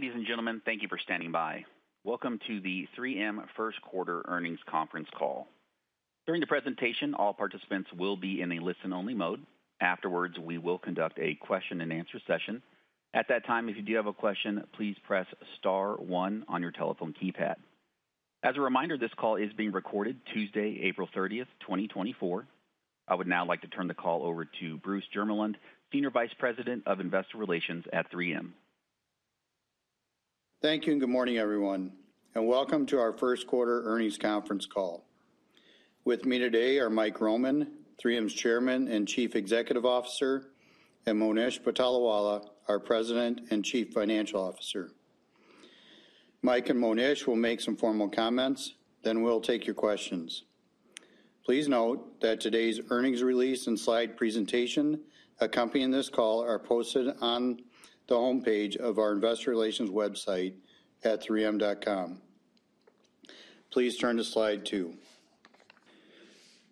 Ladies and gentlemen, thank you for standing by. Welcome to the 3M First Quarter Earnings Conference Call. During the presentation, all participants will be in a listen-only mode. Afterwards, we will conduct a question-and-answer session. At that time, if you do have a question, please press star one on your telephone keypad. As a reminder, this call is being recorded Tuesday, April 30, 2024. I would now like to turn the call over to Bruce Jermeland, Senior Vice President of Investor Relations at 3M. Thank you, and good morning, everyone, and welcome to our first quarter earnings conference call. With me today are Mike Roman, 3M's Chairman and Chief Executive Officer, and Monish Patolawala, our President and Chief Financial Officer. Mike and Monish will make some formal comments, then we'll take your questions. Please note that today's earnings release and slide presentation accompanying this call are posted on the homepage of our investor relations website at 3m.com. Please turn to slide 2.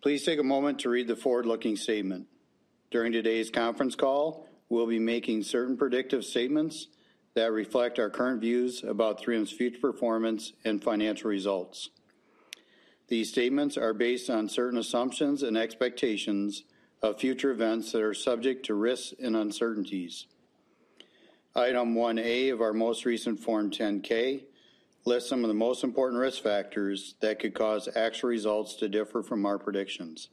Please take a moment to read the forward-looking statement. During today's conference call, we'll be making certain predictive statements that reflect our current views about 3M's future performance and financial results. These statements are based on certain assumptions and expectations of future events that are subject to risks and uncertainties. Item 1A of our most recent Form 10-K lists some of the most important risk factors that could cause actual results to differ from our predictions.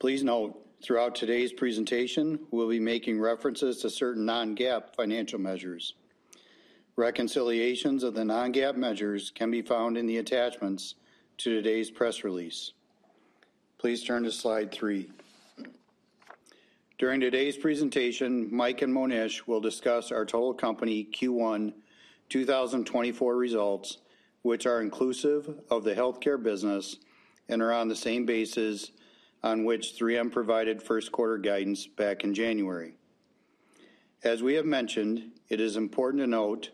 Please note, throughout today's presentation, we'll be making references to certain non-GAAP financial measures. Reconciliations of the non-GAAP measures can be found in the attachments to today's press release. Please turn to slide 3. During today's presentation, Mike and Monish will discuss our total company Q1 2024 results, which are inclusive of the healthcare business and are on the same basis on which 3M provided first quarter guidance back in January. As we have mentioned, it is important to note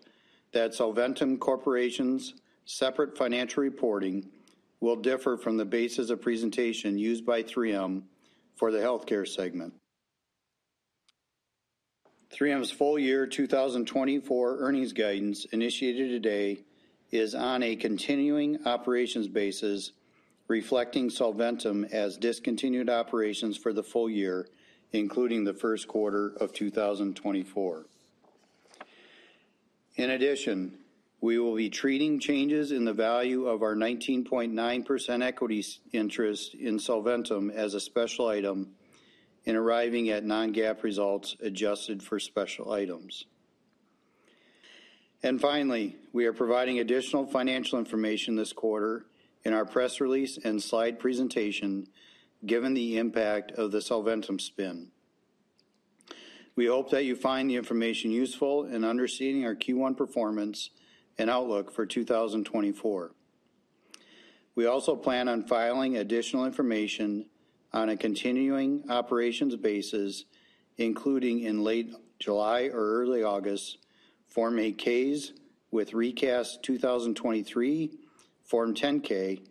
that Solventum Corporation's separate financial reporting will differ from the basis of presentation used by 3M for the healthcare segment. 3M's full year 2024 earnings guidance, initiated today, is on a continuing operations basis, reflecting Solventum as discontinued operations for the full year, including the first quarter of 2024. In addition, we will be treating changes in the value of our 19.9% equity interest in Solventum as a special item in arriving at non-GAAP results adjusted for special items. And finally, we are providing additional financial information this quarter in our press release and slide presentation, given the impact of the Solventum spin. We hope that you find the information useful in understanding our Q1 performance and outlook for 2024. We also plan on filing additional information on a continuing operations basis, including in late July or early August, Form 8-Ks with recast 2023 Form 10-K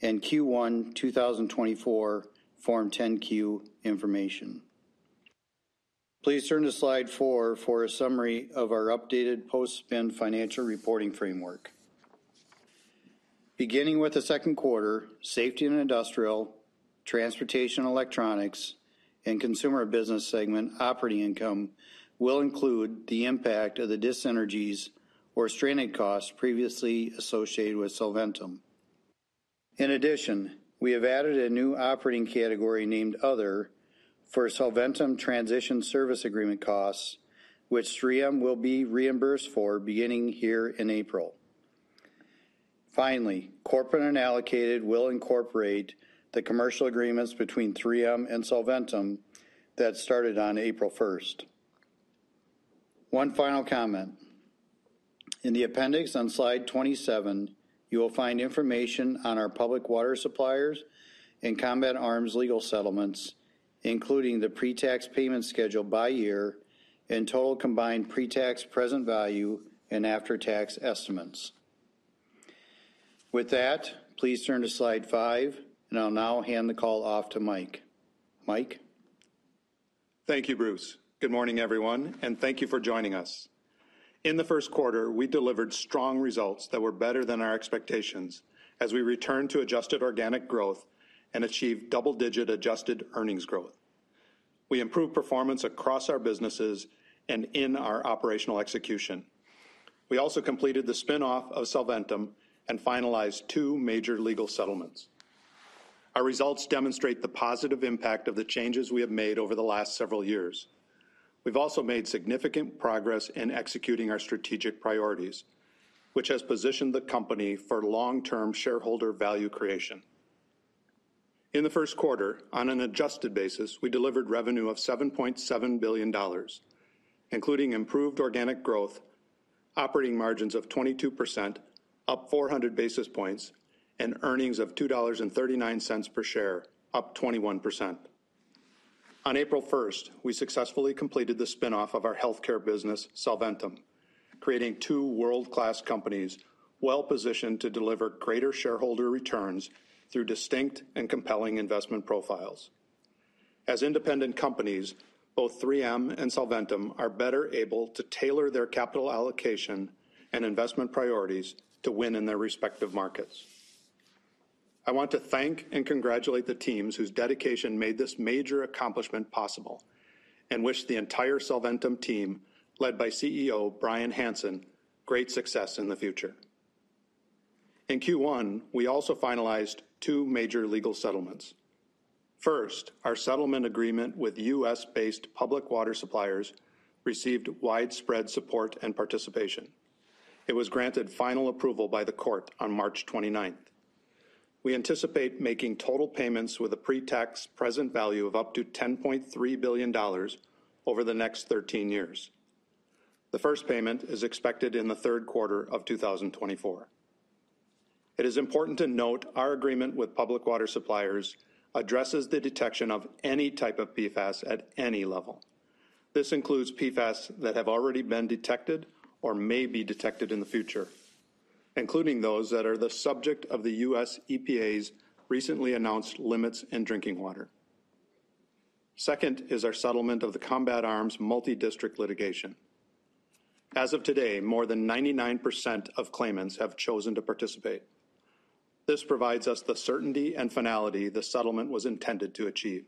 and Q1 2024 Form 10-Q information. Please turn to slide 4 for a summary of our updated post-spin financial reporting framework. Beginning with the second quarter, Safety and Industrial, Transportation Electronics, and Consumer Business segment operating income will include the impact of thedyssynergies or stranded costs previously associated with Solventum. In addition, we have added a new operating category named Other for Solventum transition service agreement costs, which 3M will be reimbursed for beginning here in April. Finally, corporate and allocated will incorporate the commercial agreements between 3M and Solventum that started on April 1. One final comment. In the appendix on slide 27, you will find information on our public water suppliers and combat arms legal settlements, including the pre-tax payment schedule by year and total combined pre-tax present value and after-tax estimates. With that, please turn to slide 5, and I'll now hand the call off to Mike. Mike? Thank you, Bruce. Good morning, everyone, and thank you for joining us. In the first quarter, we delivered strong results that were better than our expectations as we returned to adjusted organic growth and achieved double-digit adjusted earnings growth. We improved performance across our businesses and in our operational execution. We also completed the spin-off of Solventum and finalized two major legal settlements. Our results demonstrate the positive impact of the changes we have made over the last several years. We've also made significant progress in executing our strategic priorities, which has positioned the company for long-term shareholder value creation. In the first quarter, on an adjusted basis, we delivered revenue of $7.7 billion, including improved organic growth, operating margins of 22%, up 400 basis points, and earnings of $2.39 per share, up 21%. On April 1, we successfully completed the spin-off of our healthcare business, Solventum, creating two world-class companies well-positioned to deliver greater shareholder returns through distinct and compelling investment profiles.... As independent companies, both 3M and Solventum are better able to tailor their capital allocation and investment priorities to win in their respective markets. I want to thank and congratulate the teams whose dedication made this major accomplishment possible, and wish the entire Solventum team, led by CEO Bryan Hanson, great success in the future. In Q1, we also finalized two major legal settlements. First, our settlement agreement with U.S.-based public water suppliers received widespread support and participation. It was granted final approval by the court on March 29. We anticipate making total payments with a pre-tax present value of up to $10.3 billion over the next 13 years. The first payment is expected in the third quarter of 2024. It is important to note our agreement with public water suppliers addresses the detection of any type of PFAS at any level. This includes PFAS that have already been detected or may be detected in the future, including those that are the subject of the U.S. EPA's recently announced limits in drinking water. Second is our settlement of the Combat Arms Multidistrict Litigation. As of today, more than 99% of claimants have chosen to participate. This provides us the certainty and finality the settlement was intended to achieve.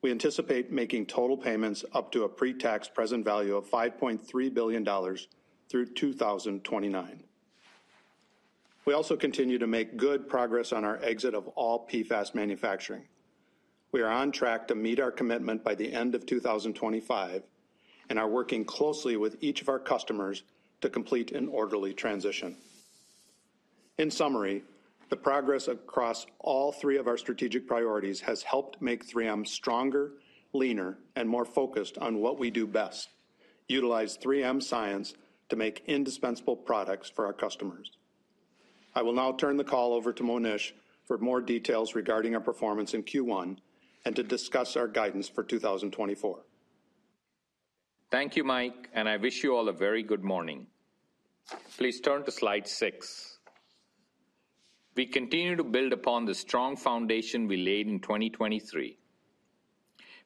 We anticipate making total payments up to a pre-tax present value of $5.3 billion through 2029. We also continue to make good progress on our exit of all PFAS manufacturing. We are on track to meet our commitment by the end of 2025 and are working closely with each of our customers to complete an orderly transition. In summary, the progress across all three of our strategic priorities has helped make 3M stronger, leaner, and more focused on what we do best: utilize 3M science to make indispensable products for our customers. I will now turn the call over to Monish for more details regarding our performance in Q1 and to discuss our guidance for 2024. Thank you, Mike, and I wish you all a very good morning. Please turn to slide 6. We continue to build upon the strong foundation we laid in 2023.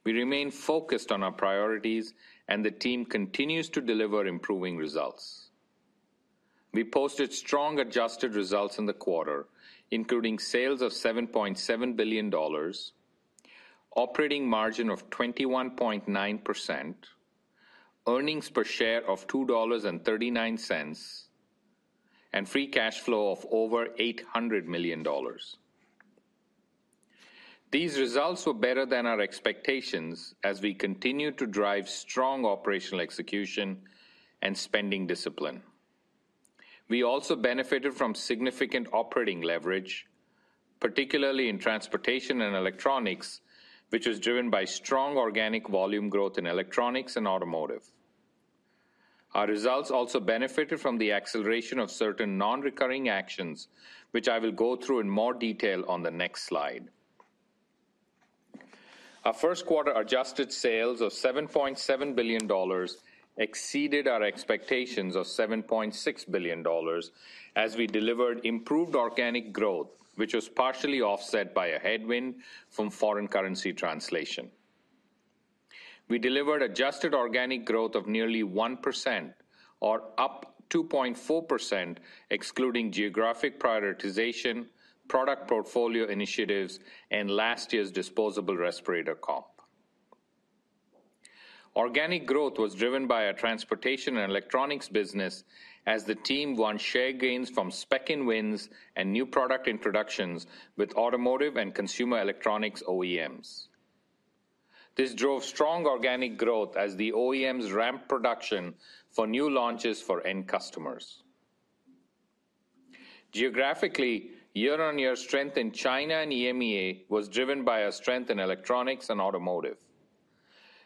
We remain focused on our priorities, and the team continues to deliver improving results. We posted strong adjusted results in the quarter, including sales of $7.7 billion, operating margin of 21.9%, earnings per share of $2.39, and free cash flow of over $800 million. These results were better than our expectations as we continue to drive strong operational execution and spending discipline. We also benefited from significant operating leverage, particularly in transportation and electronics, which was driven by strong organic volume growth in electronics and automotive. Our results also benefited from the acceleration of certain non-recurring actions, which I will go through in more detail on the next slide. Our first quarter adjusted sales of $7.7 billion exceeded our expectations of $7.6 billion as we delivered improved organic growth, which was partially offset by a headwind from foreign currency translation. We delivered adjusted organic growth of nearly 1% or up 2.4%, excluding geographic prioritization, product portfolio initiatives, and last year's disposable respirator comp. Organic growth was driven by our transportation and electronics business as the team won share gains from spec-in wins and new product introductions with automotive and consumer electronics OEMs. This drove strong organic growth as the OEMs ramped production for new launches for end customers. Geographically, year-on-year strength in China and EMEA was driven by a strength in electronics and automotive.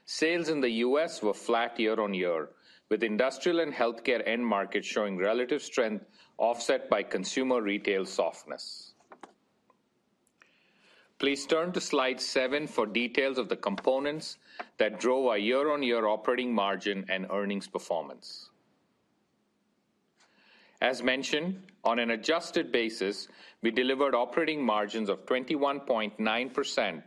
Sales in the US were flat year-on-year, with industrial and healthcare end markets showing relative strength offset by consumer retail softness. Please turn to slide 7 for details of the components that drove our year-on-year operating margin and earnings performance. As mentioned, on an adjusted basis, we delivered operating margins of 21.9%,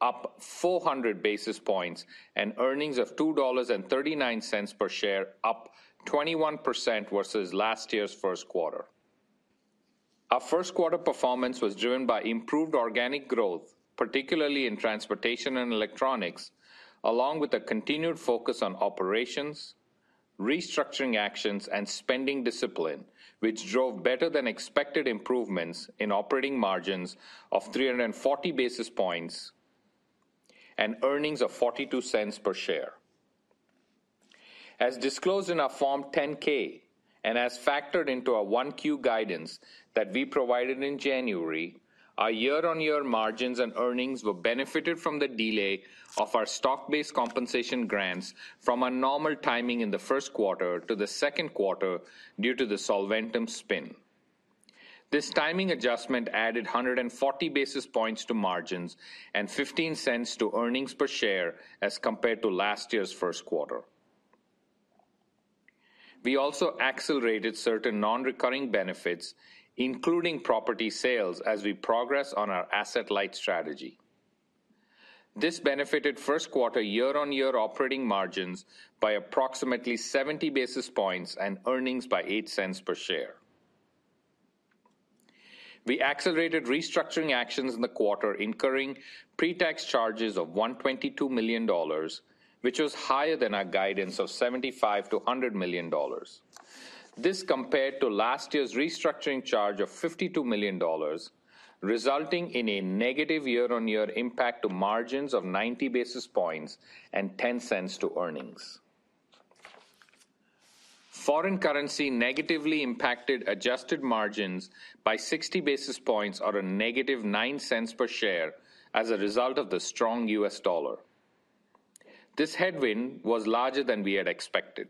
up 400 basis points, and earnings of $2.39 per share, up 21% versus last year's first quarter. Our first quarter performance was driven by improved organic growth, particularly in transportation and electronics, along with a continued focus on operations, restructuring actions, and spending discipline, which drove better-than-expected improvements in operating margins of 340 basis points and earnings of $0.42 per share. As disclosed in our Form 10-K and as factored into our 1Q guidance that we provided in January, our year-on-year margins and earnings were benefited from the delay of our stock-based compensation grants from a normal timing in the first quarter to the second quarter due to the Solventum spin. This timing adjustment added 140 basis points to margins and $0.15 to earnings per share as compared to last year's first quarter.... We also accelerated certain non-recurring benefits, including property sales, as we progress on our asset-light strategy. This benefited first quarter year-on-year operating margins by approximately 70 basis points and earnings by $0.08 per share. We accelerated restructuring actions in the quarter, incurring pre-tax charges of $122 million, which was higher than our guidance of $75 million-$100 million. This compared to last year's restructuring charge of $52 million, resulting in a negative year-on-year impact to margins of 90 basis points and $0.10 to earnings. Foreign currency negatively impacted adjusted margins by 60 basis points or a negative $0.09 per share as a result of the strong U.S. dollar. This headwind was larger than we had expected.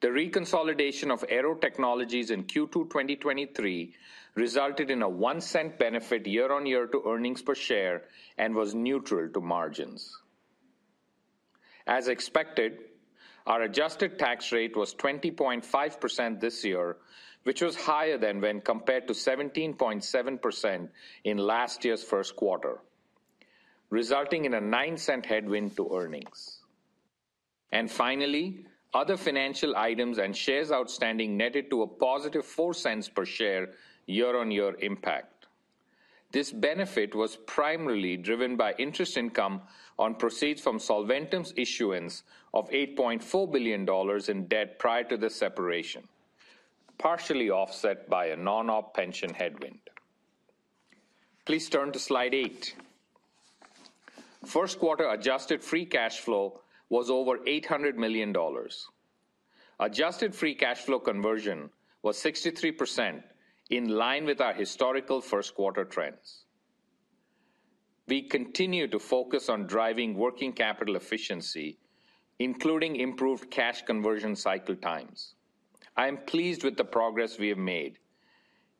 The reconsolidation of Aearo Technologies in Q2 2023 resulted in a $0.01 benefit year-on-year to earnings per share and was neutral to margins. As expected, our adjusted tax rate was 20.5% this year, which was higher than when compared to 17.7% in last year's first quarter, resulting in a $0.09 headwind to earnings. And finally, other financial items and shares outstanding netted to a positive $0.04 per share year-on-year impact. This benefit was primarily driven by interest income on proceeds from Solventum's issuance of $8.4 billion in debt prior to the separation, partially offset by a non-op pension headwind. Please turn to Slide 8. First quarter adjusted free cash flow was over $800 million. Adjusted free cash flow conversion was 63%, in line with our historical first quarter trends. We continue to focus on driving working capital efficiency, including improved cash conversion cycle times. I am pleased with the progress we have made,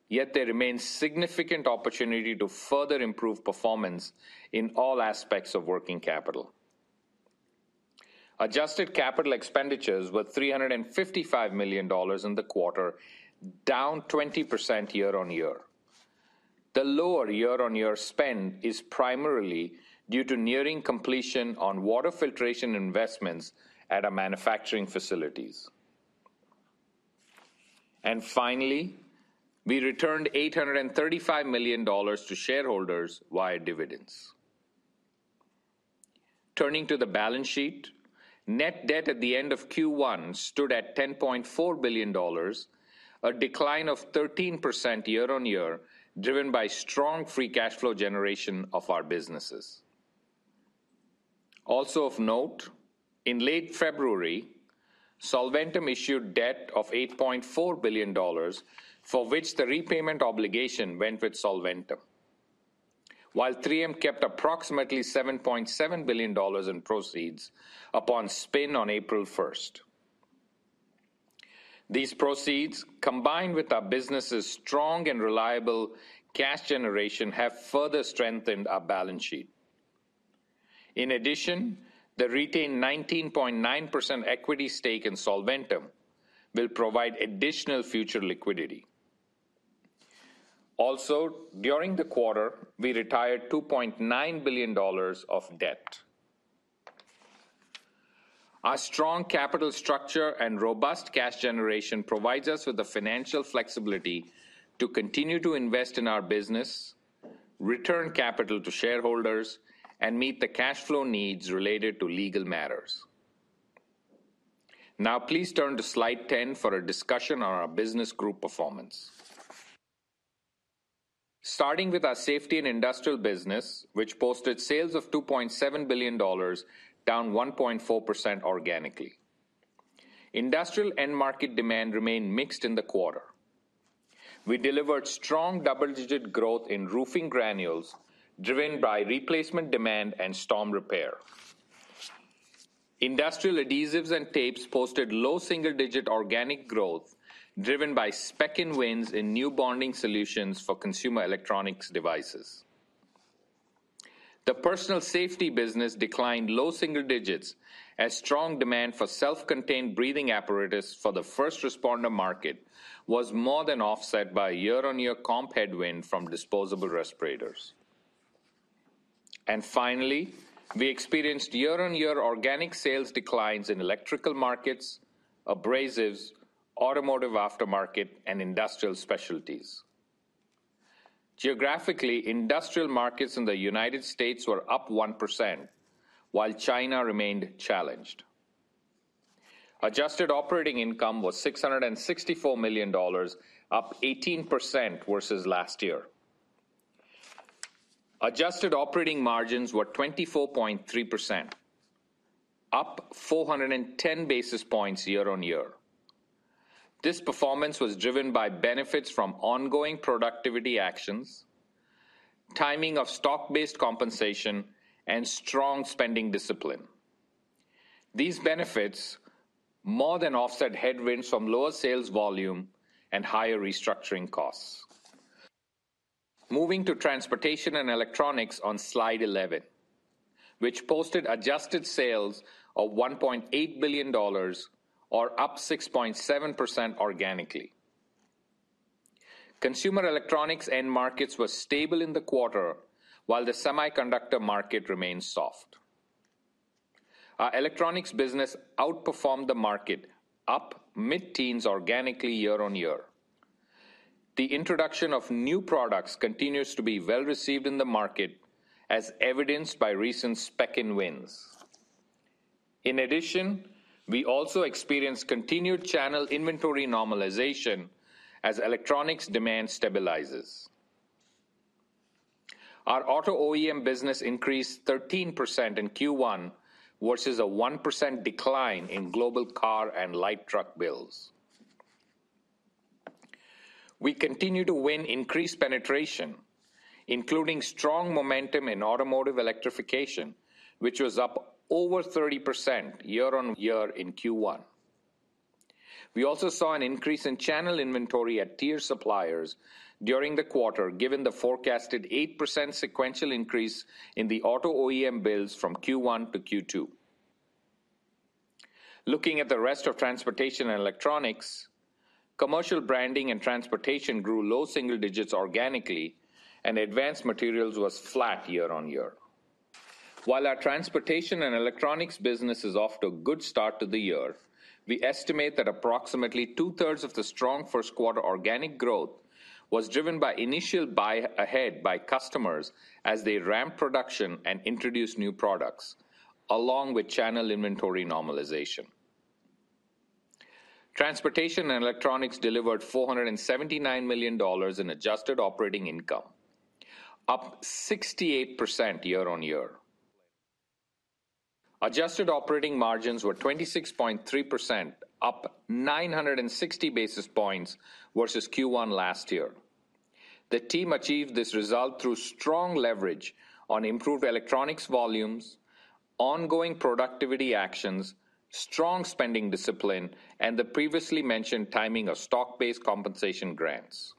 yet there remains significant opportunity to further improve performance in all aspects of working capital. Adjusted capital expenditures were $355 million in the quarter, down 20% year-on-year. The lower year-on-year spend is primarily due to nearing completion on water filtration investments at our manufacturing facilities. Finally, we returned $835 million to shareholders via dividends. Turning to the balance sheet, net debt at the end of Q1 stood at $10.4 billion, a decline of 13% year-on-year, driven by strong free cash flow generation of our businesses. Also of note, in late February, Solventum issued debt of $8.4 billion, for which the repayment obligation went with Solventum, while 3M kept approximately $7.7 billion in proceeds upon spin on April 1. These proceeds, combined with our business's strong and reliable cash generation, have further strengthened our balance sheet. In addition, the retained 19.9% equity stake in Solventum will provide additional future liquidity. Also, during the quarter, we retired $2.9 billion of debt. Our strong capital structure and robust cash generation provides us with the financial flexibility to continue to invest in our business, return capital to shareholders, and meet the cash flow needs related to legal matters. Now please turn to Slide 10 for a discussion on our business group performance. Starting with our safety and industrial business, which posted sales of $2.7 billion, down 1.4% organically. Industrial end market demand remained mixed in the quarter. We delivered strong double-digit growth in roofing granules, driven by replacement demand and storm repair. Industrial adhesives and tapes posted low single-digit organic growth, driven by spec-in wins in new bonding solutions for consumer electronics devices. The personal safety business declined low single digits, as strong demand for self-contained breathing apparatus for the first responder market was more than offset by a year-on-year comp headwind from disposable respirators. Finally, we experienced year-on-year organic sales declines in electrical markets, abrasives, automotive aftermarket, and industrial specialties. Geographically, industrial markets in the United States were up 1%, while China remained challenged. Adjusted operating income was $664 million, up 18% versus last year. Adjusted operating margins were 24.3%, up 410 basis points year on year. This performance was driven by benefits from ongoing productivity actions, timing of stock-based compensation, and strong spending discipline. These benefits more than offset headwinds from lower sales volume and higher restructuring costs. Moving to Transportation and Electronics on slide 11, which posted adjusted sales of $1.8 billion or up 6.7% organically. Consumer electronics end markets were stable in the quarter, while the semiconductor market remained soft. Our electronics business outperformed the market, up mid-teens organically year-on-year. The introduction of new products continues to be well-received in the market, as evidenced by recent spec-in wins. In addition, we also experienced continued channel inventory normalization as electronics demand stabilizes. Our auto OEM business increased 13% in Q1, versus a 1% decline in global car and light truck builds. We continue to win increased penetration, including strong momentum in automotive electrification, which was up over 30% year-on-year in Q1. We also saw an increase in channel inventory at tier suppliers during the quarter, given the forecasted 8% sequential increase in the auto OEM builds from Q1 to Q2. Looking at the rest of Transportation and Electronics, Commercial Branding and Transportation, grew low single digits organically, and Advanced Materials was flat year-on-year. While our Transportation and Electronics business is off to a good start to the year, we estimate that approximately two-thirds of the strong first quarter organic growth was driven by initial buy ahead by customers as they ramp production and introduce new products, along with channel inventory normalization. Transportation and Electronics delivered $479 million in adjusted operating income, up 68% year-on-year. Adjusted operating margins were 26.3%, up 960 basis points versus Q1 last year. The team achieved this result through strong leverage on improved electronics volumes, ongoing productivity actions, strong spending discipline, and the previously mentioned timing of stock-based compensation grants.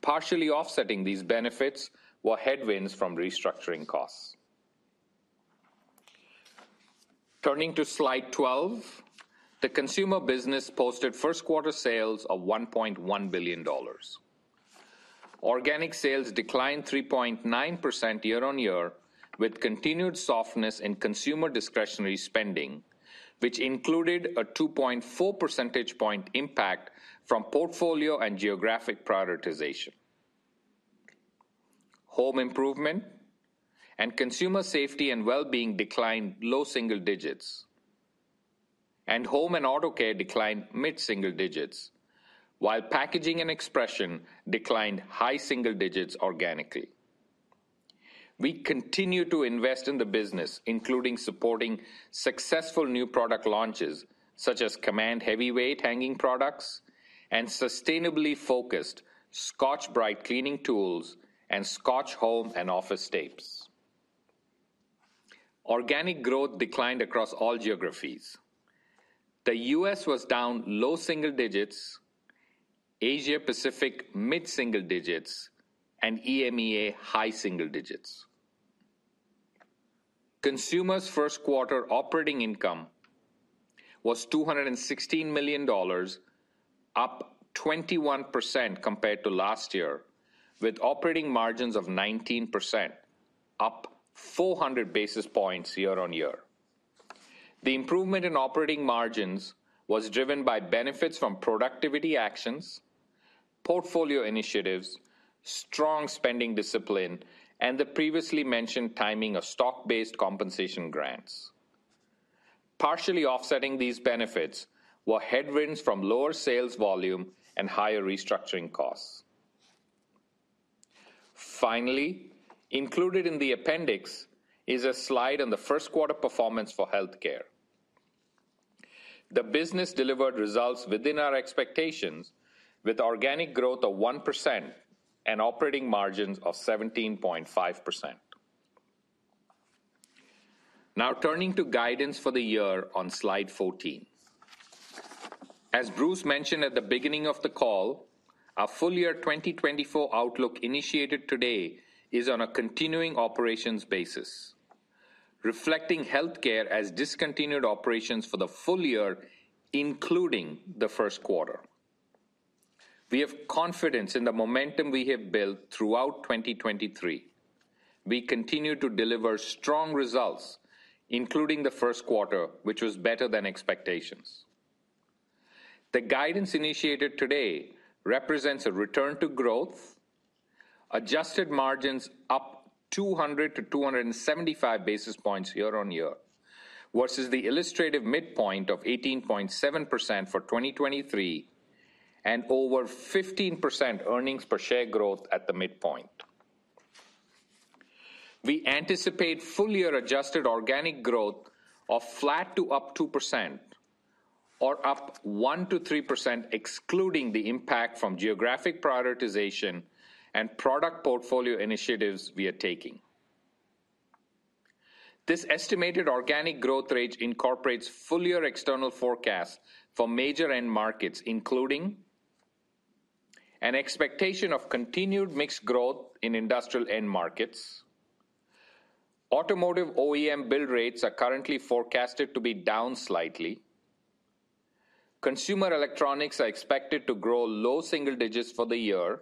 Partially offsetting these benefits were headwinds from restructuring costs. Turning to slide 12, the consumer business posted first quarter sales of $1.1 billion. Organic sales declined 3.9% year-on-year, with continued softness in consumer discretionary spending, which included a 2.4 percentage point impact from portfolio and geographic prioritization. Home Improvement and Consumer Safety and Well-Being declined low single digits, and Home and Auto Care declined mid single digits, whilePackaging and Expression declined high single digits organically. We continue to invest in the business, including supporting successful new product launches, such as Command heavyweight hanging products and sustainably focused Scotch-Brite cleaning tools and Scotch home and office tapes. Organic growth declined across all geographies. The U.S. was down low single digits, Asia Pacific, mid single digits, and EMEA, high single digits. Consumer's first quarter operating income was $216 million, up 21% compared to last year, with operating margins of 19%, up 400 basis points year-on-year. The improvement in operating margins was driven by benefits from productivity actions, portfolio initiatives, strong spending discipline, and the previously mentioned timing of stock-based compensation grants. Partially offsetting these benefits were headwinds from lower sales volume and higher restructuring costs. Finally, included in the appendix is a slide on the first quarter performance for healthcare. The business delivered results within our expectations, with organic growth of 1% and operating margins of 17.5%. Now, turning to guidance for the year on slide 14. As Bruce mentioned at the beginning of the call, our full year 2024 outlook initiated today is on a continuing operations basis, reflecting healthcare as discontinued operations for the full year, including the first quarter. We have confidence in the momentum we have built throughout 2023. We continue to deliver strong results, including the first quarter, which was better than expectations. The guidance initiated today represents a return to growth, adjusted margins up 200-275 basis points year-on-year, versus the illustrative midpoint of 18.7% for 2023, and over 15% earnings per share growth at the midpoint. We anticipate full-year adjusted organic growth of flat to +2% or +1% to +3%, excluding the impact from geographic prioritization and product portfolio initiatives we are taking.... This estimated organic growth rate incorporates full-year external forecasts for major end markets, including an expectation of continued mixed growth in industrial end markets. Automotive OEM build rates are currently forecasted to be down slightly. Consumer electronics are expected to grow low single digits for the year,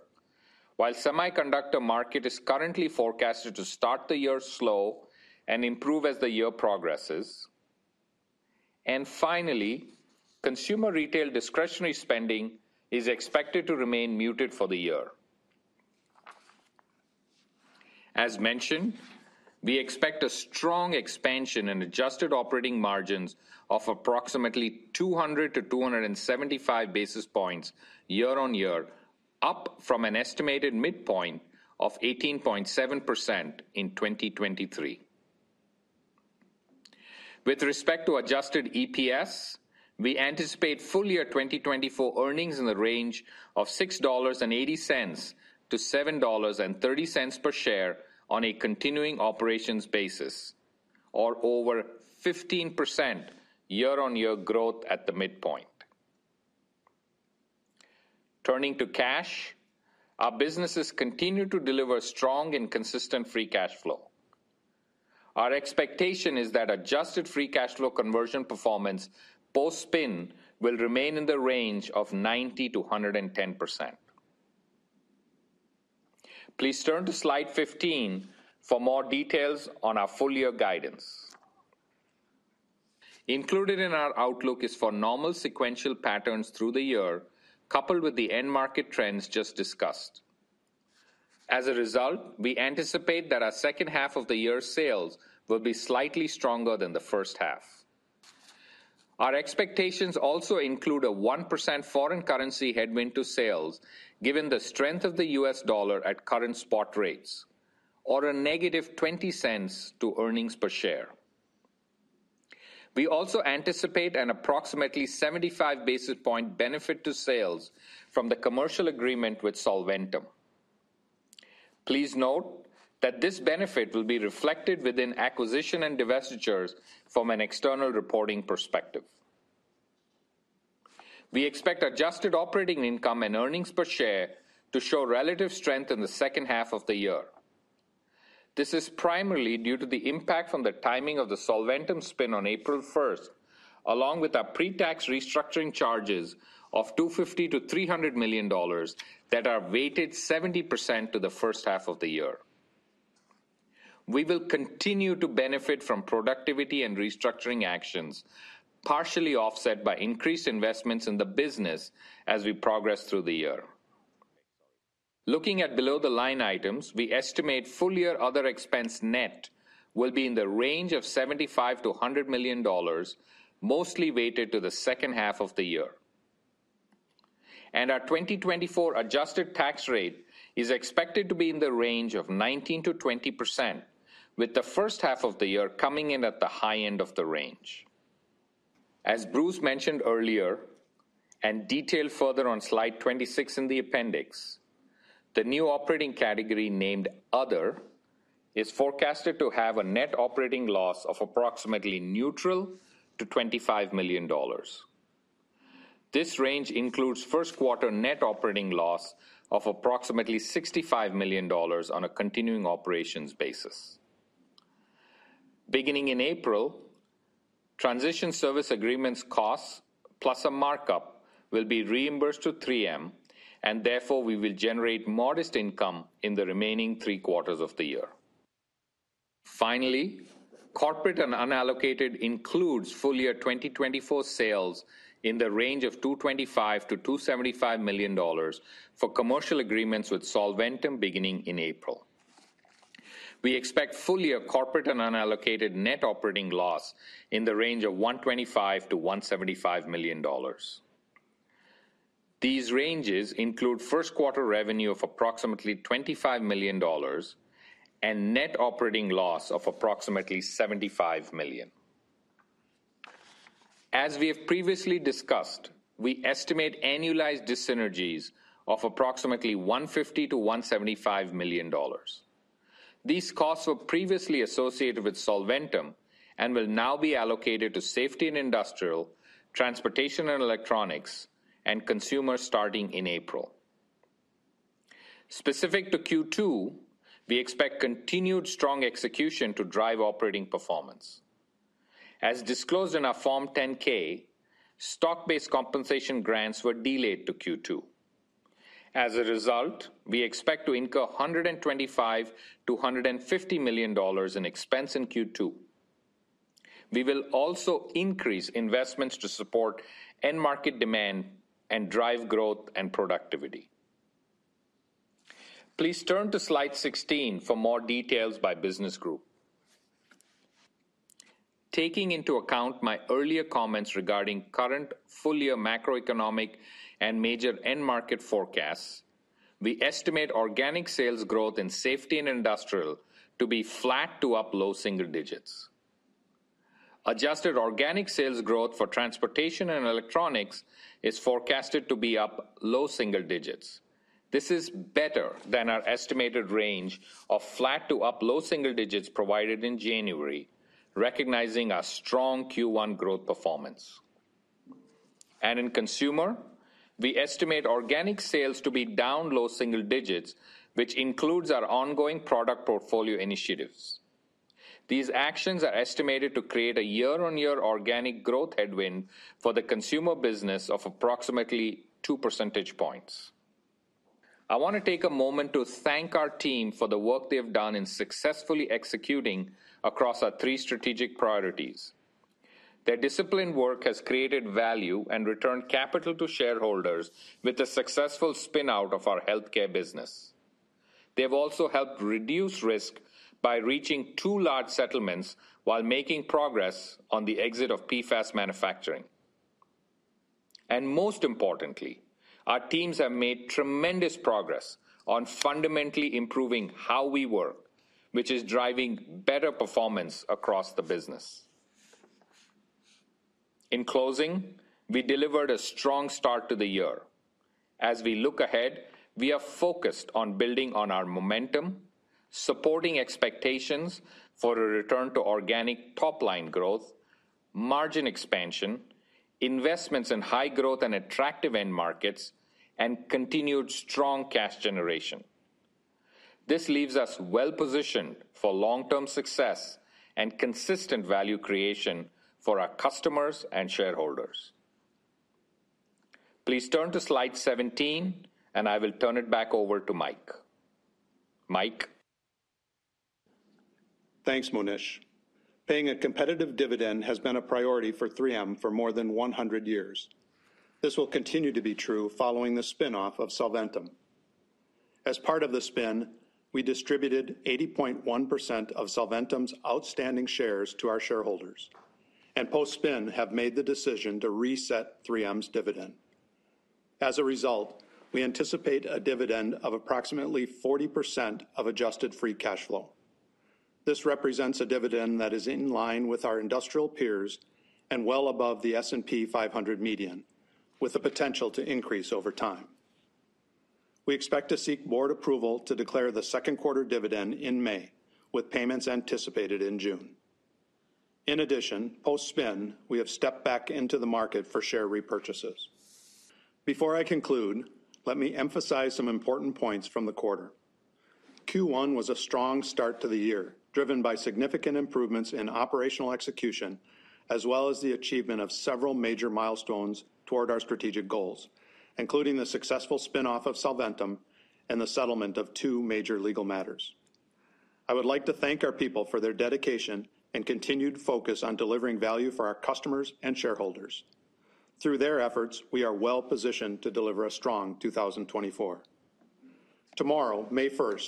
while semiconductor market is currently forecasted to start the year slow and improve as the year progresses. Finally, consumer retail discretionary spending is expected to remain muted for the year. As mentioned, we expect a strong expansion in adjusted operating margins of approximately 200-275 basis points year-on-year, up from an estimated midpoint of 18.7% in 2023. With respect to adjusted EPS, we anticipate full-year 2024 earnings in the range of $6.80-$7.30 per share on a continuing operations basis, or over 15% year-on-year growth at the midpoint. Turning to cash, our businesses continue to deliver strong and consistent free cash flow. Our expectation is that adjusted free cash flow conversion performance, post-spin, will remain in the range of 90%-110%. Please turn to slide 15 for more details on our full-year guidance. Included in our outlook is for normal sequential patterns through the year, coupled with the end market trends just discussed. As a result, we anticipate that our second half of the year sales will be slightly stronger than the first half. Our expectations also include a 1% foreign currency headwind to sales, given the strength of the US dollar at current spot rates, or a negative $0.20 to earnings per share. We also anticipate an approximately 75 basis point benefit to sales from the commercial agreement with Solventum. Please note that this benefit will be reflected within acquisition and divestitures from an external reporting perspective. We expect adjusted operating income and earnings per share to show relative strength in the second half of the year. This is primarily due to the impact from the timing of the Solventum spin on April first, along with our pre-tax restructuring charges of $250 million-$300 million that are weighted 70% to the first half of the year. We will continue to benefit from productivity and restructuring actions, partially offset by increased investments in the business as we progress through the year. Looking at below-the-line items, we estimate full-year other expense net will be in the range of $75 million-$100 million, mostly weighted to the second half of the year. And our 2024 adjusted tax rate is expected to be in the range of 19%-20%, with the first half of the year coming in at the high end of the range. As Bruce mentioned earlier, and detailed further on slide 26 in the appendix, the new operating category, named Other, is forecasted to have a net operating loss of approximately neutral to $25 million. This range includes first quarter net operating loss of approximately $65 million on a continuing operations basis. Beginning in April, transition service agreements costs, plus a markup, will be reimbursed to 3M, and therefore we will generate modest income in the remaining three quarters of the year. Finally, corporate and unallocated includes full-year 2024 sales in the range of $225 million-$275 million for commercial agreements with Solventum beginning in April. We expect full-year corporate and unallocated net operating loss in the range of $125 million-$175 million. These ranges include first quarter revenue of approximately $25 million and net operating loss of approximately $75 million. As we have previously discussed, we estimate annualized dyssynergies of approximately $150 million-$175 million. These costs were previously associated with Solventum and will now be allocated to Safety and Industrial, Transportation and Electronics, and Consumer starting in April. Specific to Q2, we expect continued strong execution to drive operating performance. As disclosed in our Form 10-K, stock-based compensation grants were delayed to Q2. As a result, we expect to incur $125 million-$150 million in expense in Q2. We will also increase investments to support end market demand and drive growth and productivity. Please turn to slide 16 for more details by business group. Taking into account my earlier comments regarding current full-year macroeconomic and major end market forecasts, we estimate organic sales growth in Safety and Industrial to be flat to up low single digits. Adjusted organic sales growth for transportation and electronics is forecasted to be up low single digits. This is better than our estimated range of flat to up low single digits provided in January, recognizing a strong Q1 growth performance. And in consumer, we estimate organic sales to be down low single digits, which includes our ongoing product portfolio initiatives. These actions are estimated to create a year-on-year organic growth headwind for the consumer business of approximately 2 percentage points. I want to take a moment to thank our team for the work they have done in successfully executing across our 3 strategic priorities. Their disciplined work has created value and returned capital to shareholders with the successful spin-out of our healthcare business. They've also helped reduce risk by reaching two large settlements while making progress on the exit of PFAS manufacturing. Most importantly, our teams have made tremendous progress on fundamentally improving how we work, which is driving better performance across the business. In closing, we delivered a strong start to the year. As we look ahead, we are focused on building on our momentum, supporting expectations for a return to organic top-line growth, margin expansion, investments in high growth and attractive end markets, and continued strong cash generation. This leaves us well positioned for long-term success and consistent value creation for our customers and shareholders. Please turn to slide 17, and I will turn it back over to Mike. Mike? Thanks, Monish. Paying a competitive dividend has been a priority for 3M for more than 100 years. This will continue to be true following the spin-off of Solventum. As part of the spin, we distributed 80.1% of Solventum's outstanding shares to our shareholders, and post-spin, have made the decision to reset 3M's dividend. As a result, we anticipate a dividend of approximately 40% of adjusted free cash flow. This represents a dividend that is in line with our industrial peers and well above the S&P 500 median, with the potential to increase over time. We expect to seek board approval to declare the second quarter dividend in May, with payments anticipated in June. In addition, post-spin, we have stepped back into the market for share repurchases. Before I conclude, let me emphasize some important points from the quarter. Q1 was a strong start to the year, driven by significant improvements in operational execution, as well as the achievement of several major milestones toward our strategic goals, including the successful spin-off of Solventum and the settlement of two major legal matters. I would like to thank our people for their dedication and continued focus on delivering value for our customers and shareholders. Through their efforts, we are well positioned to deliver a strong 2024. Tomorrow, May 1,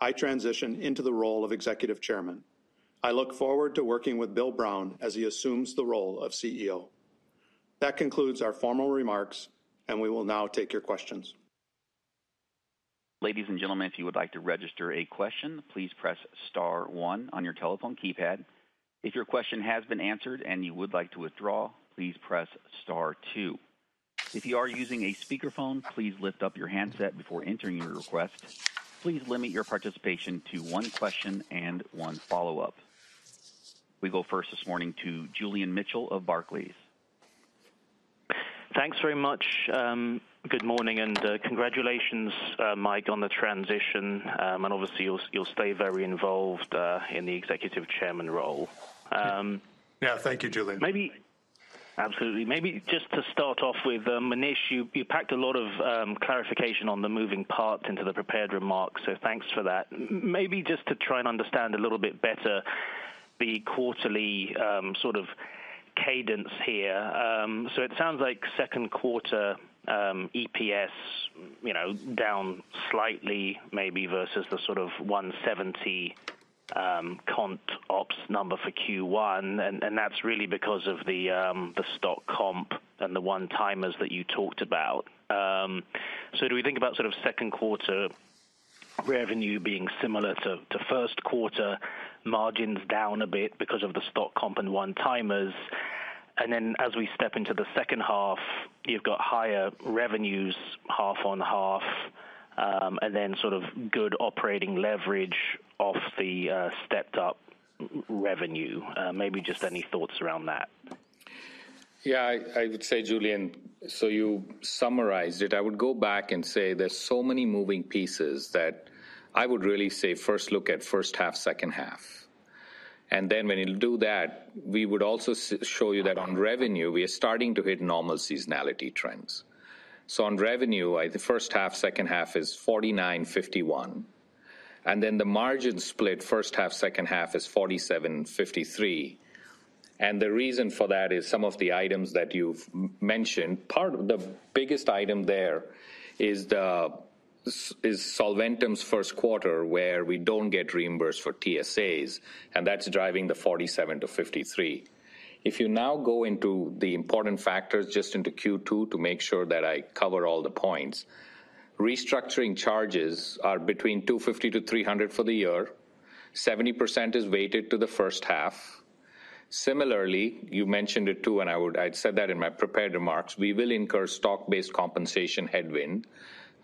I transition into the role of Executive Chairman. I look forward to working with Bill Brown as he assumes the role of CEO. That concludes our formal remarks, and we will now take your questions. Ladies and gentlemen, if you would like to register a question, please press star one on your telephone keypad. If your question has been answered and you would like to withdraw, please press star two. If you are using a speakerphone, please lift up your handset before entering your request. Please limit your participation to one question and one follow-up. We go first this morning to Julian Mitchell of Barclays. Thanks very much. Good morning, and congratulations, Mike, on the transition. Obviously, you'll stay very involved in the executive chairman role. Yeah, thank you, Julian. Maybe... Absolutely. Maybe just to start off with, Monish, you, you packed a lot of clarification on the moving parts into the prepared remarks, so thanks for that. Maybe just to try and understand a little bit better the quarterly sort of cadence here. So it sounds like second quarter EPS, you know, down slightly, maybe versus the sort of $1.70 cont ops number for Q1, and that's really because of the stock comp and the one-timers that you talked about. So do we think about sort of second quarter revenue being similar to first quarter, margins down a bit because of the stock comp and one-timers, and then as we step into the second half, you've got higher revenues, half on half, and then sort of good operating leverage off the stepped-up revenue? Maybe just any thoughts around that. Yeah, I would say, Julian, so you summarized it. I would go back and say there's so many moving pieces that I would really say, first look at first half, second half. And then when you do that, we would also show you that on revenue, we are starting to hit normal seasonality trends. So on revenue, the first half, second half is 49, 51, and then the margin split, first half, second half is 47, 53. And the reason for that is some of the items that you've mentioned. The biggest item there is the, is Solventum's first quarter, where we don't get reimbursed for TSAs, and that's driving the 47-53. If you now go into the important factors, just into Q2, to make sure that I cover all the points-... Restructuring charges are between $250 million-$300 million for the year. 70% is weighted to the first half. Similarly, you mentioned it, too, and I would—I had said that in my prepared remarks, we will incur stock-based compensation headwind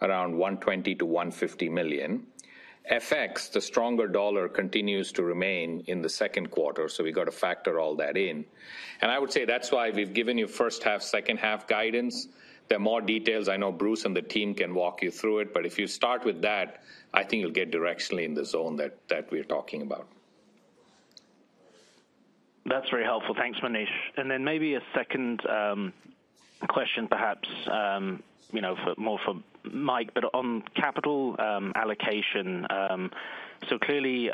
around $120 million-$150 million. FX, the stronger dollar continues to remain in the second quarter, so we've got to factor all that in. And I would say that's why we've given you first half, second half guidance. There are more details. I know Bruce and the team can walk you through it, but if you start with that, I think you'll get directionally in the zone that, that we're talking about. That's very helpful. Thanks, Monish. Then maybe a second question, perhaps, you know, for more for Mike, but on capital allocation. So clearly, you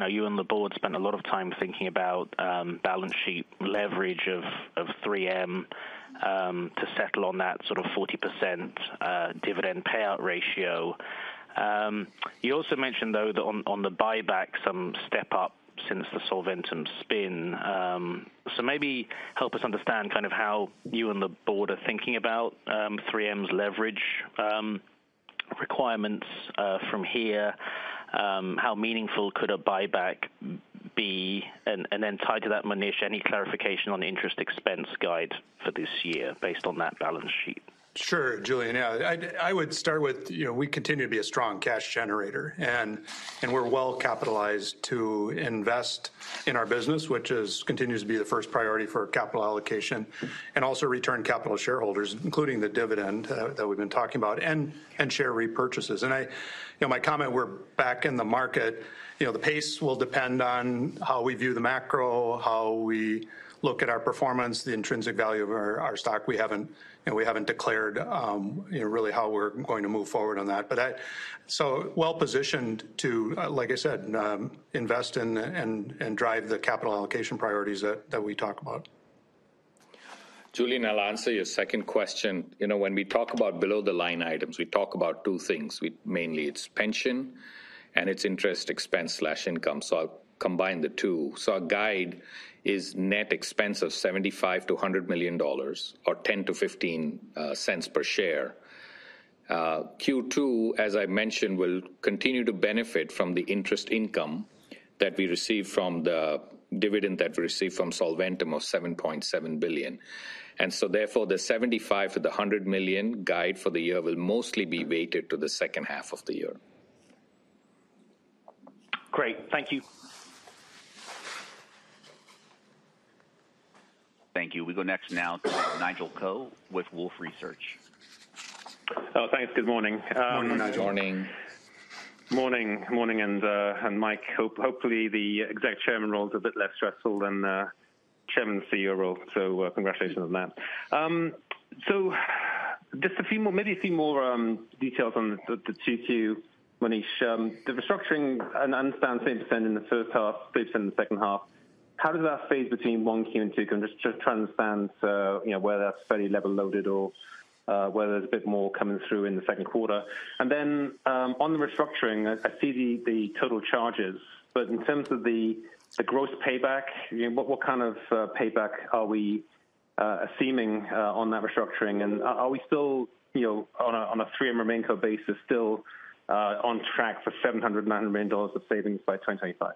know, you and the board spent a lot of time thinking about balance sheet leverage of 3M to settle on that sort of 40% dividend payout ratio. You also mentioned, though, that on the buyback, some step up since the Solventum spin. So maybe help us understand kind of how you and the board are thinking about 3M's leverage requirements from here. How meaningful could a buyback be? And then tied to that, Monish, any clarification on interest expense guide for this year based on that balance sheet? Sure, Julian. Yeah, I'd, I would start with, you know, we continue to be a strong cash generator, and, and we're well capitalized to invest in our business, which is continues to be the first priority for capital allocation, and also return capital to shareholders, including the dividend, that we've been talking about, and, and share repurchases. And I, you know, my comment, we're back in the market. You know, the pace will depend on how we view the macro, how we look at our performance, the intrinsic value of our, our stock. We haven't, you know, we haven't declared, you know, really how we're going to move forward on that. But that. So well positioned to, like I said, invest and, and, and drive the capital allocation priorities that, that we talk about. Julian, I'll answer your second question. You know, when we talk about below-the-line items, we talk about two things. Mainly it's pension and it's interest expense/income, so I'll combine the two. So our guide is net expense of $75 million-$100 million, or 10-15 cents per share. Q2, as I mentioned, will continue to benefit from the interest income that we received from the dividend that we received from Solventum of $7.7 billion. And so therefore, the $75 million-$100 million guide for the year will mostly be weighted to the second half of the year. Great. Thank you. Thank you. We go next now to Nigel Coe with Wolfe Research. Oh, thanks. Good morning, Good morning. Morning. Morning. Morning, and Mike, hopefully the exec chairman role is a bit less stressful than the chairman CEO role, so congratulations on that. So just a few more, maybe a few more details on the 2Q, Monish. The restructuring, and I understand 70% in the first half, 30% in the second half, how does that phase between 1Q and 2Q? I'm just trying to understand, you know, whether that's fairly level loaded or whether there's a bit more coming through in the second quarter. And then on the restructuring, I see the total charges, but in terms of the gross payback, what kind of payback are we assuming on that restructuring? Are we still, you know, on a 3M RemainCo basis, still on track for $709 million of savings by 2025?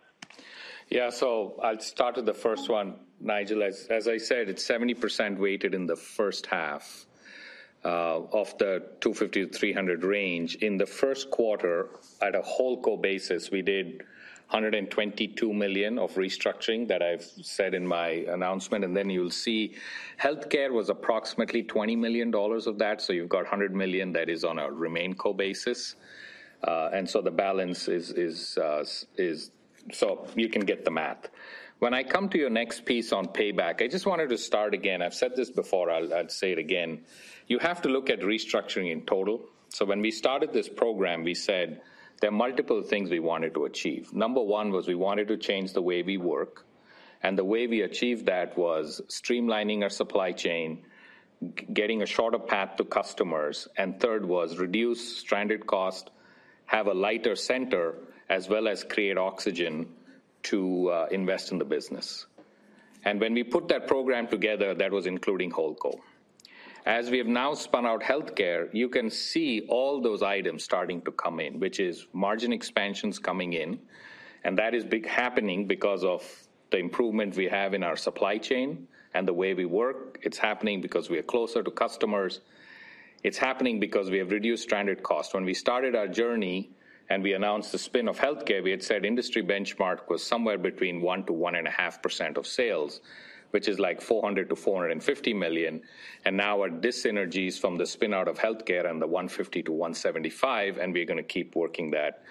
Yeah. So I'll start with the first one, Nigel. As, as I said, it's 70% weighted in the first half of the $250-$300 range. In the first quarter, at a WholeCo basis, we did $122 million of restructuring that I've said in my announcement, and then you'll see healthcare was approximately $20 million of that. So you've got a $100 million that is on a RemainCo basis. And so the balance is U.S. So you can get the math. When I come to your next piece on payback, I just wanted to start again, I've said this before, I'll say it again: You have to look at restructuring in total. So when we started this program, we said there are multiple things we wanted to achieve. Number 1 was we wanted to change the way we work, and the way we achieved that was streamlining our supply chain, getting a shorter path to customers, and third was reduce stranded cost, have a lighter center, as well as create oxygen to invest in the business. And when we put that program together, that was including WholeCo. As we have now spun out healthcare, you can see all those items starting to come in, which is margin expansions coming in, and that is happening because of the improvement we have in our supply chain and the way we work. It's happening because we are closer to customers. It's happening because we have reduced stranded costs. When we started our journey and we announced the spin of healthcare, we had said industry benchmark was somewhere between 1%-1.5% of sales, which is like $400 million-$450 million, and now our dis-synergies from the spin out of healthcare and the $150 million-$175 million, and we're going to keep working that,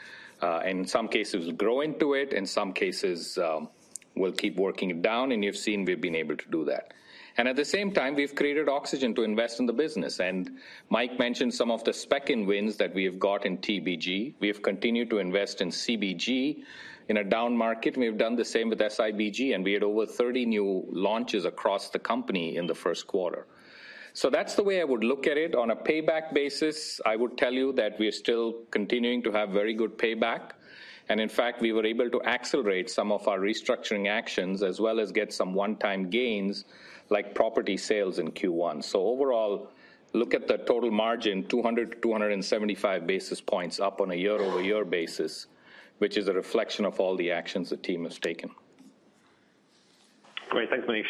in some cases, grow into it, in some cases, we'll keep working it down, and you've seen we've been able to do that. And at the same time, we've created oxygen to invest in the business. And Mike mentioned some of the spec-in wins that we have got in TBG. We have continued to invest in CBG in a down market. We've done the same with SIBG, and we had over 30 new launches across the company in the first quarter. So that's the way I would look at it. On a payback basis, I would tell you that we are still continuing to have very good payback, and in fact, we were able to accelerate some of our restructuring actions, as well as get some one-time gains, like property sales in Q1. So overall, look at the total margin, 200-275 basis points up on a year-over-year basis, which is a reflection of all the actions the team has taken.... Great. Thanks, Monish.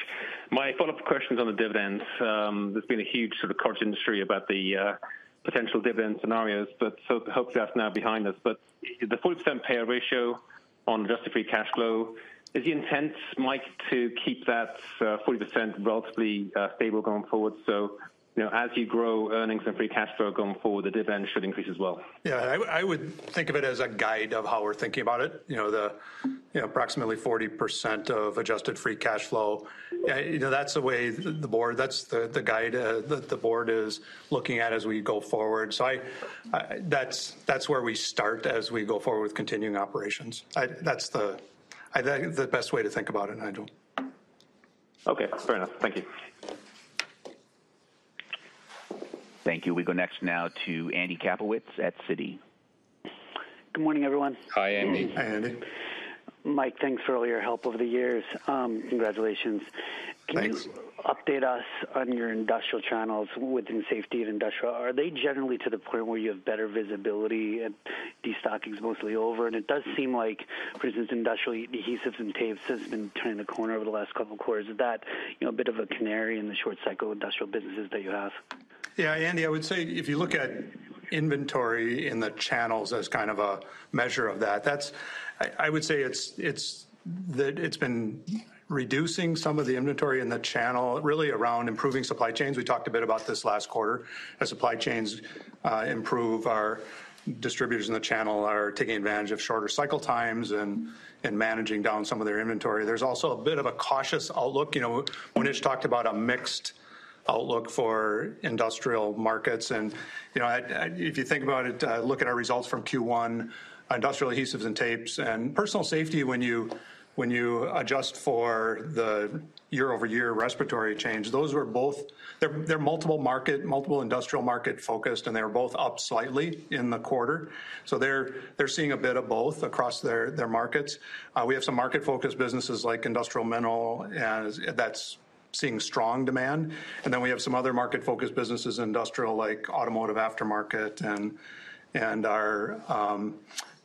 My follow-up question is on the dividends. There's been a huge sort of cottage industry about the potential dividend scenarios, but so hopefully that's now behind us. But the 40% payout ratio on adjusted free cash flow, is the intent, Mike, to keep that 40% relatively stable going forward? So, you know, as you grow earnings and free cash flow going forward, the dividend should increase as well. Yeah, I would, I would think of it as a guide of how we're thinking about it. You know, the, you know, approximately 40% of adjusted free cash flow, you know, that's the way the, the board, that's the, the guide, that the board is looking at as we go forward. So I, I, that's, that's where we start as we go forward with continuing operations. I, that's the, I think, the best way to think about it, Nigel. Okay, fair enough. Thank you. Thank you. We go next now to Andy Kaplowitz at Citi. Good morning, everyone. Hi, Andy. Hi, Andy. Mike, thanks for all your help over the years. Congratulations. Thanks. Can you update us on your industrial channels within Safety and Industrial? Are they generally to the point where you have better visibility and destocking is mostly over? And it does seem like, for instance, Industrial Adhesives and Tapes has been turning the corner over the last couple of quarters. Is that, you know, a bit of a canary in the short cycle industrial businesses that you have? Yeah, Andy, I would say if you look at inventory in the channels as kind of a measure of that. I would say it's been reducing some of the inventory in the channel, really around improving supply chains. We talked a bit about this last quarter. As supply chains improve, our distributors in the channel are taking advantage of shorter cycle times and managing down some of their inventory. There's also a bit of a cautious outlook. You know, Monish talked about a mixed outlook for industrial markets, and, you know, if you think about it, look at our results from Q1, Industrial Adhesives and Tapes, and Personal Safety, when you adjust for the year-over-year respiratory change, those were both. They're multiple market, multiple industrial market focused, and they were both up slightly in the quarter. So they're seeing a bit of both across their markets. We have some market-focused businesses like Industrial Minerals, that's seeing strong demand. And then we have some other market-focused businesses, industrial like automotive aftermarket and our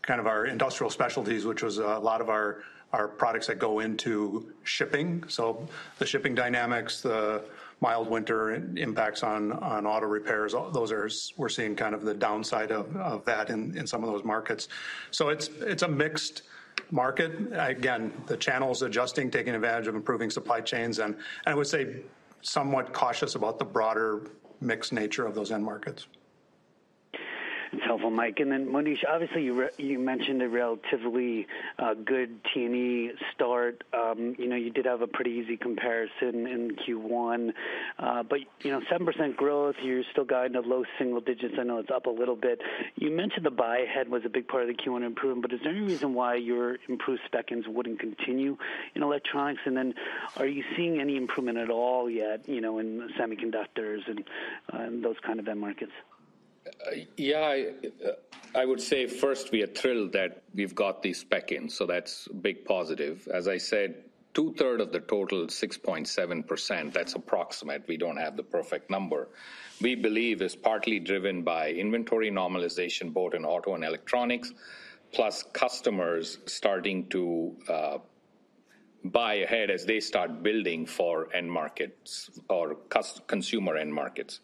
kind of our industrial specialties, which was a lot of our products that go into shipping. So the shipping dynamics, the mild winter impacts on auto repairs, those we're seeing kind of the downside of that in some of those markets. So it's a mixed market. Again, the channel's adjusting, taking advantage of improving supply chains, and I would say somewhat cautious about the broader mixed nature of those end markets. That's helpful, Mike. And then, Monish, obviously, you mentioned a relatively good T&E start. You know, you did have a pretty easy comparison in Q1. But, you know, 7% growth, you're still guiding the low single digits. I know it's up a little bit. You mentioned the buy ahead was a big part of the Q1 improvement, but is there any reason why your improved spec ins wouldn't continue in electronics? And then are you seeing any improvement at all yet, you know, in semiconductors and those kind of end markets? Yeah, I would say first, we are thrilled that we've got these spec ins, so that's a big positive. As I said, two-thirds of the total, 6.7%, that's approximate, we don't have the perfect number, we believe is partly driven by inventory normalization, both in auto and electronics, plus customers starting to buy ahead as they start building for end markets or consumer end markets.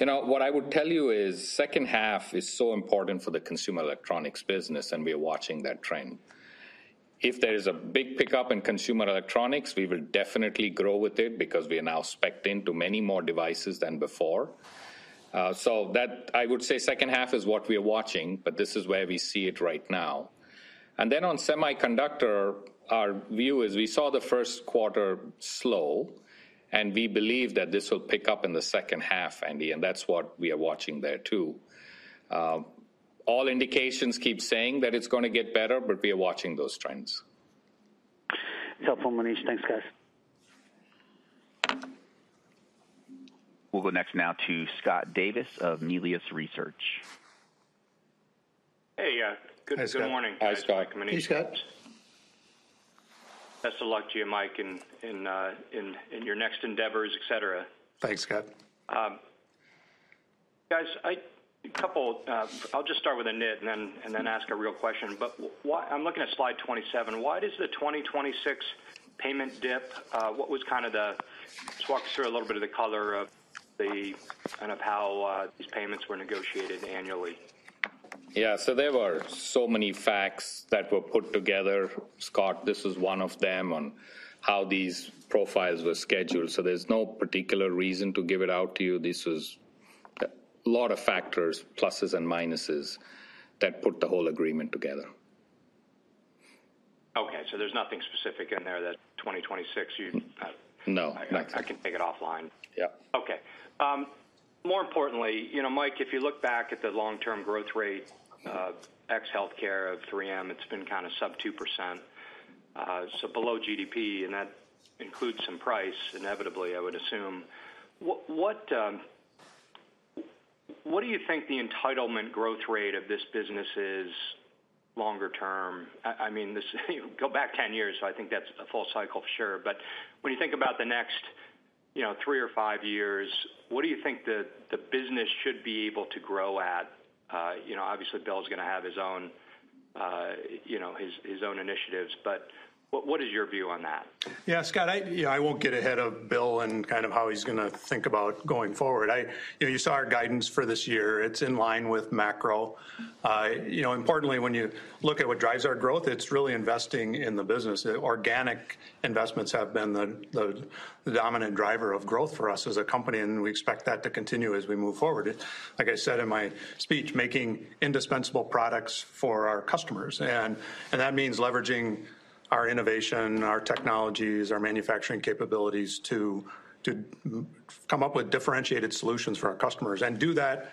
You know, what I would tell you is, second half is so important for the consumer electronics business, and we are watching that trend. If there is a big pickup in consumer electronics, we will definitely grow with it because we are now specced into many more devices than before. So that I would say second half is what we are watching, but this is where we see it right now. And then on semiconductor, our view is we saw the first quarter slow, and we believe that this will pick up in the second half, Andy, and that's what we are watching there, too. All indications keep saying that it's gonna get better, but we are watching those trends. Helpful, Monish. Thanks, guys. We'll go next now to Scott Davis of Melius Research. Hey, good morning. Hi, Scott. Hi, Scott. Hey, Scott. Best of luck to you, Mike, in your next endeavors, et cetera. Thanks, Scott. Guys, I'll just start with a nit and then ask a real question. But I'm looking at slide 27. Why does the 2026 payment dip? What was kind of the... Just walk us through a little bit of the color of the, kind of how these payments were negotiated annually. Yeah, so there were so many facts that were put together, Scott. This is one of them on how these profiles were scheduled. So there's no particular reason to give it out to you. This was a lot of factors, pluses and minuses, that put the whole agreement together. Okay, so there's nothing specific in there, that 2026 you- No, nothing. I can take it offline. Yeah. Okay. More importantly, you know, Mike, if you look back at the long-term growth rate of ex healthcare of 3M, it's been kind of sub 2%, so below GDP, and that includes some price, inevitably, I would assume. What, what do you think the entitlement growth rate of this business is longer term? I mean, go back 10 years, so I think that's a full cycle, for sure. But when you think about the next you know, 3 or 5 years, what do you think the business should be able to grow at? You know, obviously, Bill's gonna have his own, you know, his own initiatives, but what is your view on that? Yeah, Scott, I, yeah, I won't get ahead of Bill and kind of how he's gonna think about going forward. I—you know, you saw our guidance for this year. It's in line with macro. You know, importantly, when you look at what drives our growth, it's really investing in the business. Organic investments have been the, the dominant driver of growth for us as a company, and we expect that to continue as we move forward. Like I said in my speech, making indispensable products for our customers, and that means leveraging our innovation, our technologies, our manufacturing capabilities to come up with differentiated solutions for our customers and do that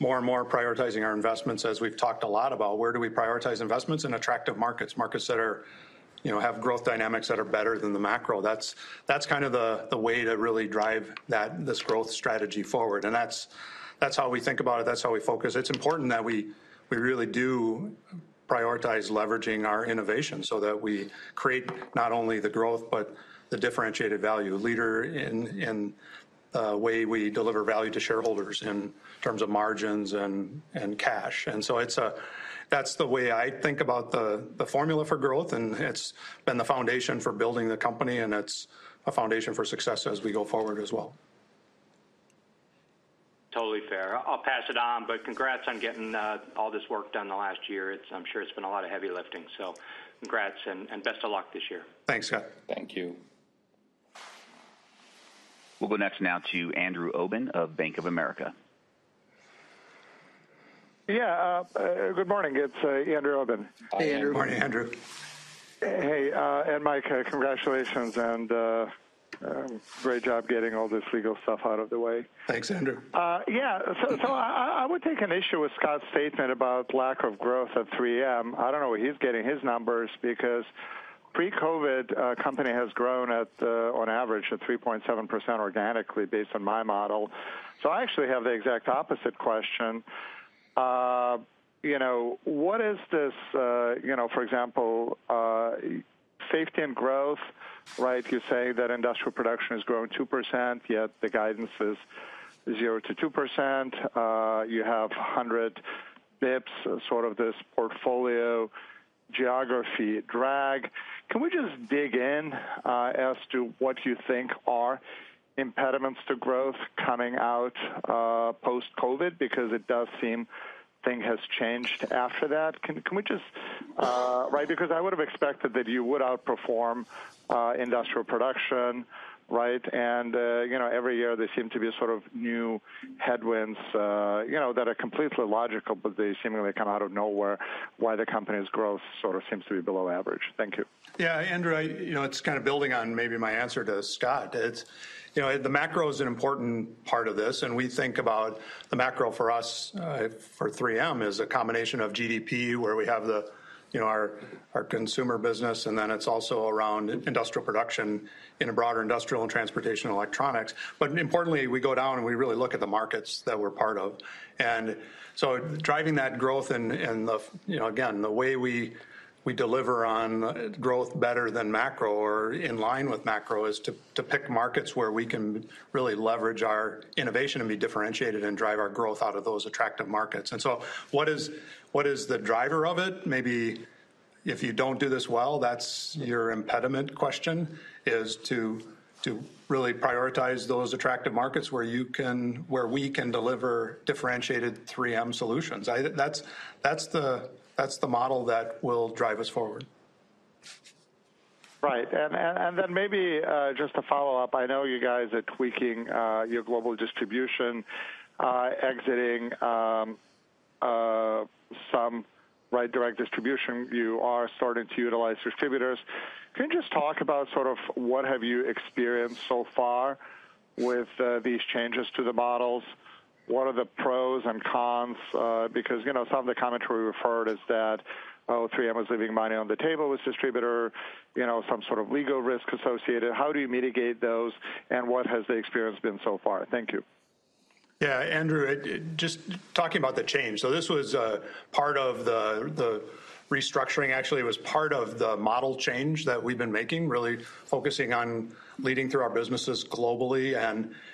more and more, prioritizing our investments, as we've talked a lot about. Where do we prioritize investments? In attractive markets, markets that are, you know, have growth dynamics that are better than the macro. That's, that's kind of the, the way to really drive that, this growth strategy forward, and that's, that's how we think about it. That's how we focus. It's important that we, we really do prioritize leveraging our innovation so that we create not only the growth, but the differentiated value leader in, in the way we deliver value to shareholders in terms of margins and, and cash. And so it's a-- that's the way I think about the, the formula for growth, and it's been the foundation for building the company, and it's a foundation for success as we go forward as well. Totally fair. I'll pass it on, but congrats on getting all this work done in the last year. I'm sure it's been a lot of heavy lifting, so congrats, and best of luck this year. Thanks, Scott. Thank you. We'll go next now to Andrew Obin of Bank of America. Yeah, good morning. It's Andrew Obin. Hey, Andrew. Good morning, Andrew. Hey, and Mike, congratulations, and great job getting all this legal stuff out of the way. Thanks, Andrew. Yeah, so I would take an issue with Scott's statement about lack of growth at 3M. I don't know where he's getting his numbers, because pre-COVID, company has grown at, on average, 3.7% organically, based on my model. So I actually have the exact opposite question. You know, what is this, you know, for example, safety and growth, right? You say that industrial production has grown 2%, yet the guidance is 0%-2%. You have 100 basis points, sort of this portfolio, geography drag. Can we just dig in, as to what you think are impediments to growth coming out, post-COVID? Because it does seem thing has changed after that. Can we just... Right, because I would've expected that you would outperform, industrial production, right? You know, every year there seem to be a sort of new headwinds, you know, that are completely logical, but they seemingly come out of nowhere, why the company's growth sort of seems to be below average. Thank you. Yeah, Andrew, you know, it's kind of building on maybe my answer to Scott. It's, you know, the macro is an important part of this, and we think about the macro for us, for 3M, is a combination of GDP, where we have the, you know, our, our consumer business, and then it's also around industrial production in a broader industrial and transportation electronics. But importantly, we go down, and we really look at the markets that we're part of. And so driving that growth and, and the, you know, again, the way we, we deliver on growth better than macro or in line with macro, is to, to pick markets where we can really leverage our innovation and be differentiated and drive our growth out of those attractive markets. And so what is, what is the driver of it? Maybe if you don't do this well, that's your impediment question is to really prioritize those attractive markets where you can, where we can deliver differentiated 3M solutions. That's the model that will drive us forward. Right. And then maybe just to follow up, I know you guys are tweaking your global distribution, exiting some direct distribution. You are starting to utilize distributors. Can you just talk about sort of what have you experienced so far with these changes to the models? What are the pros and cons? Because, you know, some of the commentary we referred is that, oh, 3M was leaving money on the table with distributor, you know, some sort of legal risk associated. How do you mitigate those, and what has the experience been so far? Thank you. Yeah, Andy, just talking about the change. So this was part of the restructuring. Actually, it was part of the model change that we've been making, really focusing on leading through our businesses globally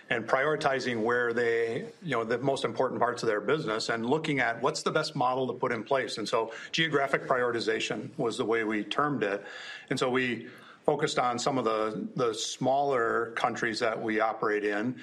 and prioritizing where they, you know, the most important parts of their business and looking at what's the best model to put in place, and so geographic prioritization was the way we termed it. And so we focused on some of the smaller countries that we operate in.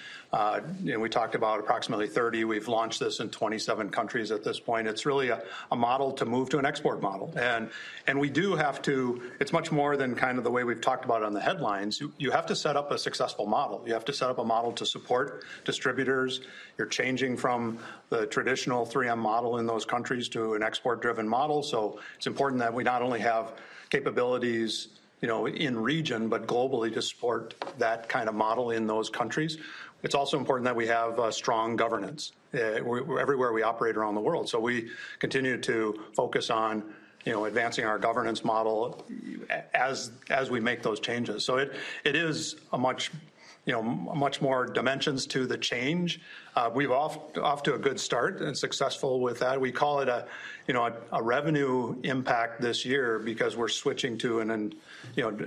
You know, we talked about approximately 30. We've launched this in 27 countries at this point. It's really a model to move to an export model. And we do have to. It's much more than kind of the way we've talked about on the headlines. You have to set up a successful model. You have to set up a model to support distributors. You're changing from the traditional 3M model in those countries to an export-driven model, so it's important that we not only have capabilities, you know, in region, but globally, to support that kind of model in those countries. It's also important that we have a strong governance everywhere we operate around the world. So we continue to focus on, you know, advancing our governance model as we make those changes. So it is a much, you know, much more dimensions to the change. We're off to a good start and successful with that. We call it a, you know, a revenue impact this year because we're switching to an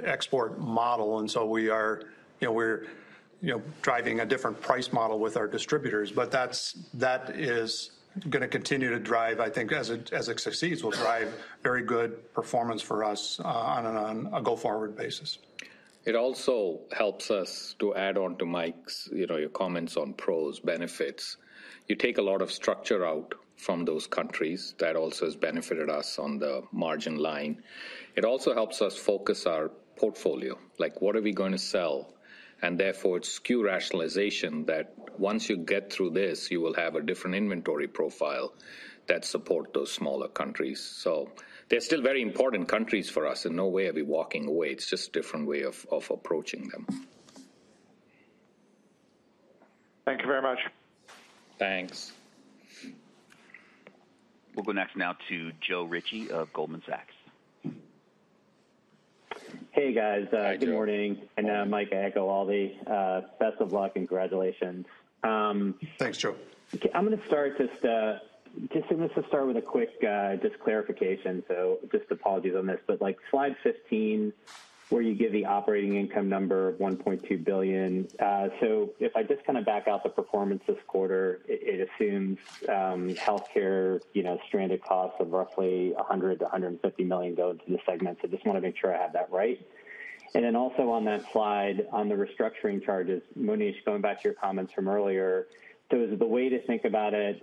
export model, and so we are, you know, we're driving a different price model with our distributors. But that is gonna continue to drive, I think, as it, as it succeeds, will drive very good performance for us, on a, on a go-forward basis. It also helps us to add on to Mike's, you know, your comments on pros, benefits. You take a lot of structure out from those countries. That also has benefited us on the margin line. It also helps us focus our portfolio, like what are we going to sell? And therefore, it's SKU rationalization that once you get through this, you will have a different inventory profile that support those smaller countries. So they're still very important countries for us, and no way are we walking away. It's just a different way of approaching them. Thank you very much. Thanks. We'll go next now to Joe Ritchie of Goldman Sachs. Hey, guys. Hi, Joe. Good morning. Mike, I echo all the best of luck and congratulations. Thanks, Joe. Okay, I'm gonna start just, and let's just start with a quick clarification. So just apologies on this, but like slide 15, where you give the operating income number of $1.2 billion. So if I just kinda back out the performance this quarter, it assumes healthcare, you know, stranded costs of roughly $100 million-$150 million goes to the segment. So just wanna make sure I have that right. And then also on that slide, on the restructuring charges, Monish, going back to your comments from earlier, so is the way to think about it, is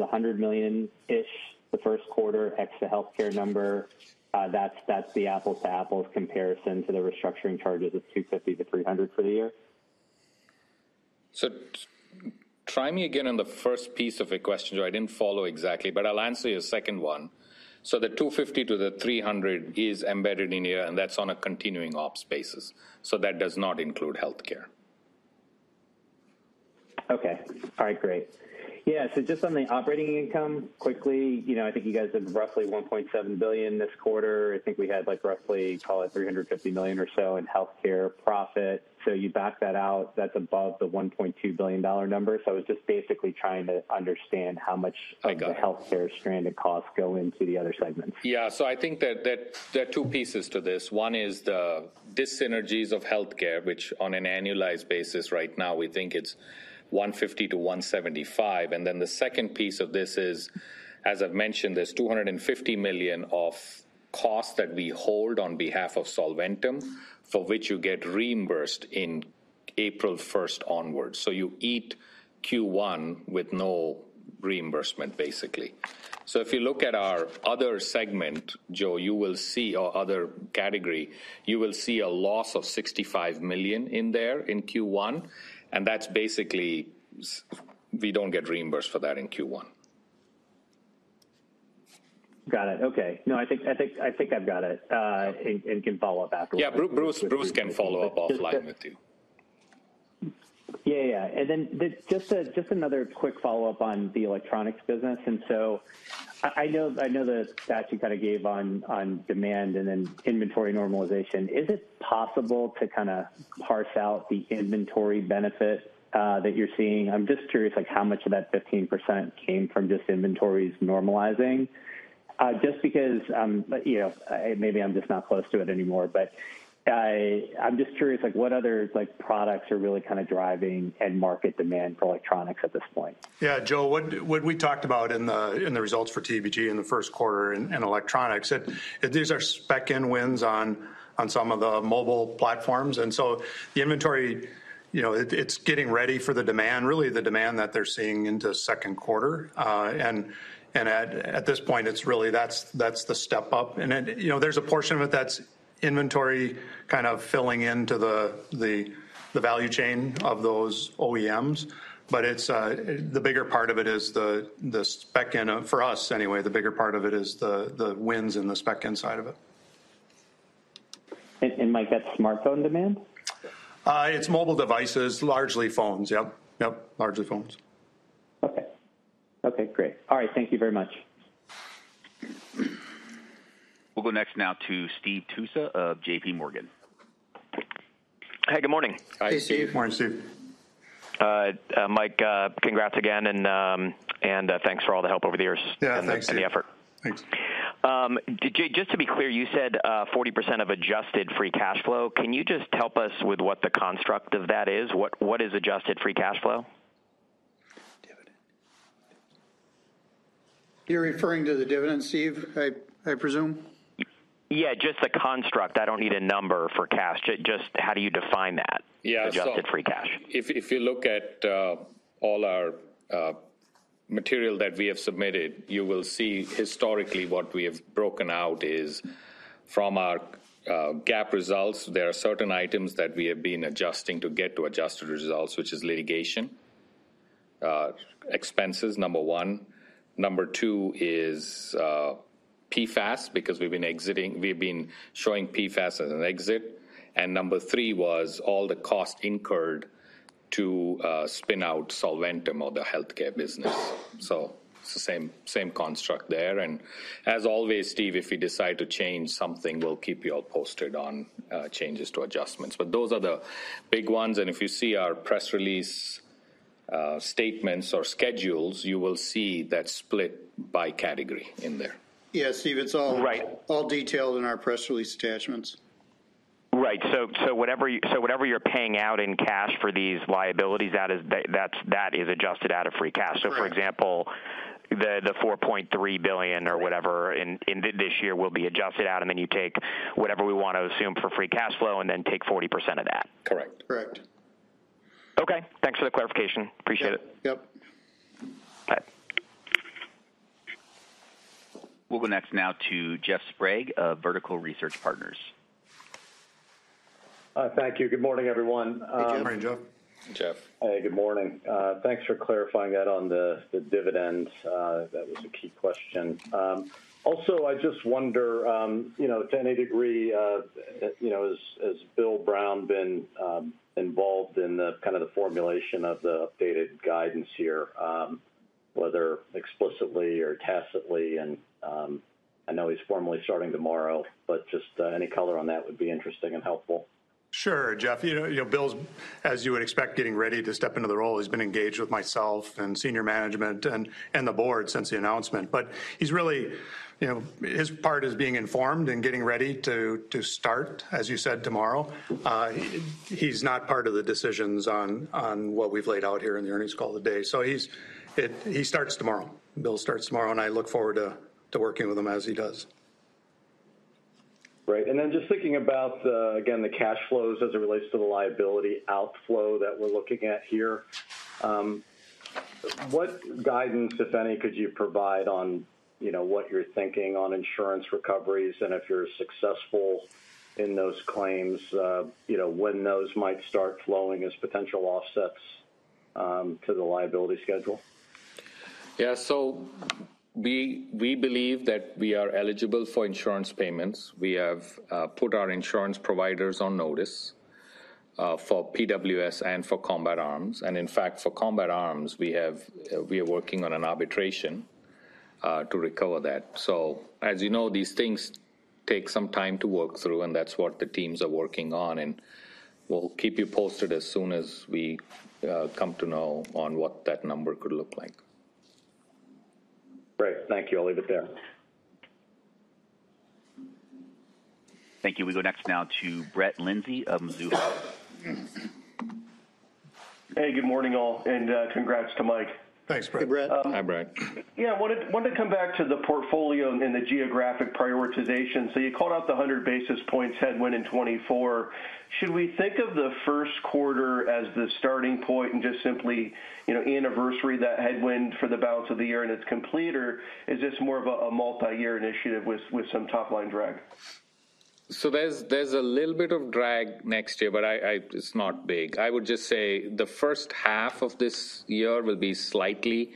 $100 million-ish, the first quarter, ex the healthcare number, that's the apples to apples comparison to the restructuring charges of $250 million-$300 million for the year? So try me again on the first piece of the question, Joe. I didn't follow exactly, but I'll answer your second one. So the 250-300 is embedded in here, and that's on a continuing ops basis, so that does not include healthcare. Okay. All right, great. Yeah, so just on the operating income, quickly, you know, I think you guys did roughly $1.7 billion this quarter. I think we had, like, roughly, call it $350 million or so in healthcare profit. So you back that out, that's above the $1.2 billion number. So I was just basically trying to understand how much- I got it. the healthcare stranded costs go into the other segments. Yeah, so I think that, that there are two pieces to this. One is the dyssynergies of healthcare, which on an annualized basis right now, we think it's $150 million-$175 million. And then the second piece of this is, as I've mentioned, there's $250 million of costs that we hold on behalf of Solventum, for which you get reimbursed April 1 onwards. So you eat Q1 with no reimbursement, basically. So if you look at our other segment, Joe, you will see... or other category, you will see a loss of $65 million in there in Q1, and that's basically we don't get reimbursed for that in Q1. Got it. Okay. No, I think I've got it, and can follow up afterwards. Yeah, Bruce can follow up offline with you. Yeah, yeah. And then just a, just another quick follow-up on the electronics business. And so I, I know, I know the stat you kinda gave on, on demand and then inventory normalization. Is it possible to kinda parse out the inventory benefit, that you're seeing? I'm just curious, like, how much of that 15% came from just inventories normalizing? Just because, you know, maybe I'm just not close to it anymore, but I, I'm just curious, like, what other, like, products are really kinda driving end market demand for electronics at this point? Yeah, Joe, what we talked about in the results for TEBG in the first quarter in electronics, these are spec end wins on some of the mobile platforms, and so the inventory, you know, it's getting ready for the demand, really the demand that they're seeing into second quarter. And at this point, it's really that's the step up. And it, you know, there's a portion of it that's inventory kind of filling into the value chain of those OEMs, but it's the bigger part of it is the spec end of... For us, anyway, the bigger part of it is the wins in the spec end side of it. Mike, that's smartphone demand? It's mobile devices, largely phones. Yep. Yep, largely phones. Okay. Okay, great. All right. Thank you very much. We'll go next now to Steve Tusa of JP Morgan. Hey, good morning. Hey, Steve. Morning, Steve. Mike, congrats again, and thanks for all the help over the years. Yeah, thanks, Steve. and the effort. Thanks. Just to be clear, you said 40% of adjusted free cash flow. Can you just help us with what the construct of that is? What is adjusted free cash flow? Dividend. You're referring to the dividend, Steve, I presume? Yeah, just the construct. I don't need a number for cash, just how do you define that- Yeah, so- Adjusted free cash?... if you look at all our material that we have submitted, you will see historically what we have broken out is from our GAAP results, there are certain items that we have been adjusting to get to adjusted results, which is litigation expenses, number one. Number two is PFAS, because we've been exiting - we've been showing PFAS as an exit. And number three was all the cost incurred to spin out Solventum or the healthcare business. So it's the same, same construct there. And as always, Steve, if we decide to change something, we'll keep you all posted on changes to adjustments. But those are the big ones, and if you see our press release, statements or schedules, you will see that split by category in there. Yeah, Steve, it's all- Right all detailed in our press release attachments. Right. So whatever you're paying out in cash for these liabilities, that's adjusted out of free cash. Correct. So for example, the $4.3 billion or whatever in this year will be adjusted out, and then you take whatever we want to assume for free cash flow and then take 40% of that. Correct. Correct. Okay, thanks for the clarification. Appreciate it. Yep. Yep. Bye. We'll go next now to Jeff Sprague of Vertical Research Partners. Thank you. Good morning, everyone. Good morning, Jeff. Jeff. Hey, good morning. Thanks for clarifying that on the dividends. That was a key question. Also, I just wonder, you know, to any degree, you know, has Bill Brown been involved in the kind of the formulation of the updated guidance here? Whether explicitly or tacitly, and I know he's formally starting tomorrow, but just any color on that would be interesting and helpful. Sure, Jeff. You know, you know, Bill's, as you would expect, getting ready to step into the role. He's been engaged with myself and senior management and the board since the announcement. But he's really, you know, his part is being informed and getting ready to start, as you said, tomorrow. He's not part of the decisions on what we've laid out here in the earnings call today. So he's, he starts tomorrow. Bill starts tomorrow, and I look forward to working with him as he does. Great. And then just thinking about the, again, the cash flows as it relates to the liability outflow that we're looking at here. What guidance, if any, could you provide on, you know, what you're thinking on insurance recoveries, and if you're successful in those claims, you know, when those might start flowing as potential offsets, to the liability schedule? Yeah, so we believe that we are eligible for insurance payments. We have put our insurance providers on notice for PWS and for Combat Arms, and in fact, for Combat Arms, we are working on an arbitration to recover that. So, as you know, these things take some time to work through, and that's what the teams are working on, and we'll keep you posted as soon as we come to know on what that number could look like. Great. Thank you. I'll leave it there. Thank you. We go next now to Brett Linzey of Mizuho. Hey, good morning, all, and, congrats to Mike. Thanks, Brett. Hey, Brett. Hi, Brett. Yeah, wanted to come back to the portfolio and the geographic prioritization. So you called out the 100 basis points headwind in 2024. Should we think of the first quarter as the starting point and just simply, you know, anniversary that headwind for the balance of the year, and it's complete, or is this more of a multiyear initiative with some top-line drag? So there's a little bit of drag next year, but it's not big. I would just say the first half of this year will be slightly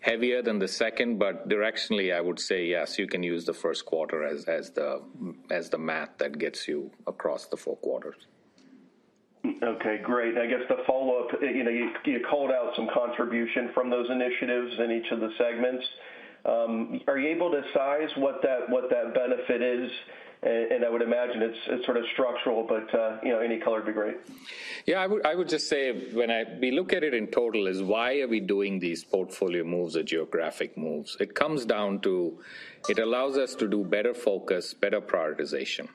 heavier than the second, but directionally, I would say yes, you can use the first quarter as the math that gets you across the four quarters. Okay, great. I guess the follow-up, you know, you, you called out some contribution from those initiatives in each of the segments. Are you able to size what that, what that benefit is? And, and I would imagine it's, it's sort of structural, but, you know, any color would be great. Yeah, I would, I would just say when we look at it in total is, why are we doing these portfolio moves or geographic moves? It comes down to, it allows us to do better focus, better prioritization.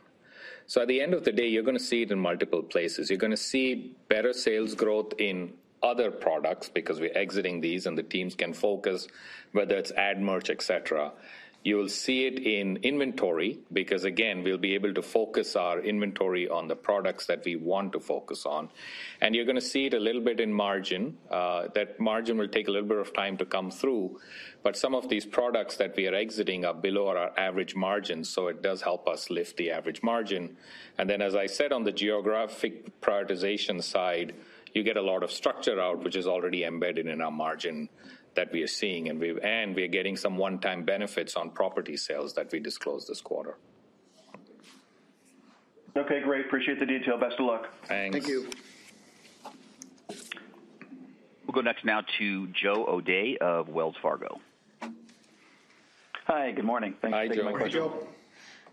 So at the end of the day, you're gonna see it in multiple places. You're gonna see better sales growth in other products because we're exiting these, and the teams can focus, whether it's ad merch, et cetera. You'll see it in inventory, because, again, we'll be able to focus our inventory on the products that we want to focus on. And you're gonna see it a little bit in margin. That margin will take a little bit of time to come through, but some of these products that we are exiting are below our average margin, so it does help us lift the average margin. Then, as I said, on the geographic prioritization side, you get a lot of structure out, which is already embedded in our margin that we are seeing, and we are getting some one-time benefits on property sales that we disclosed this quarter. Okay, great. Appreciate the detail. Best of luck. Thanks. Thank you. We'll go next now to Joe O'Dea of Wells Fargo. Hi, good morning. Thanks for taking my question. Hi, Joe.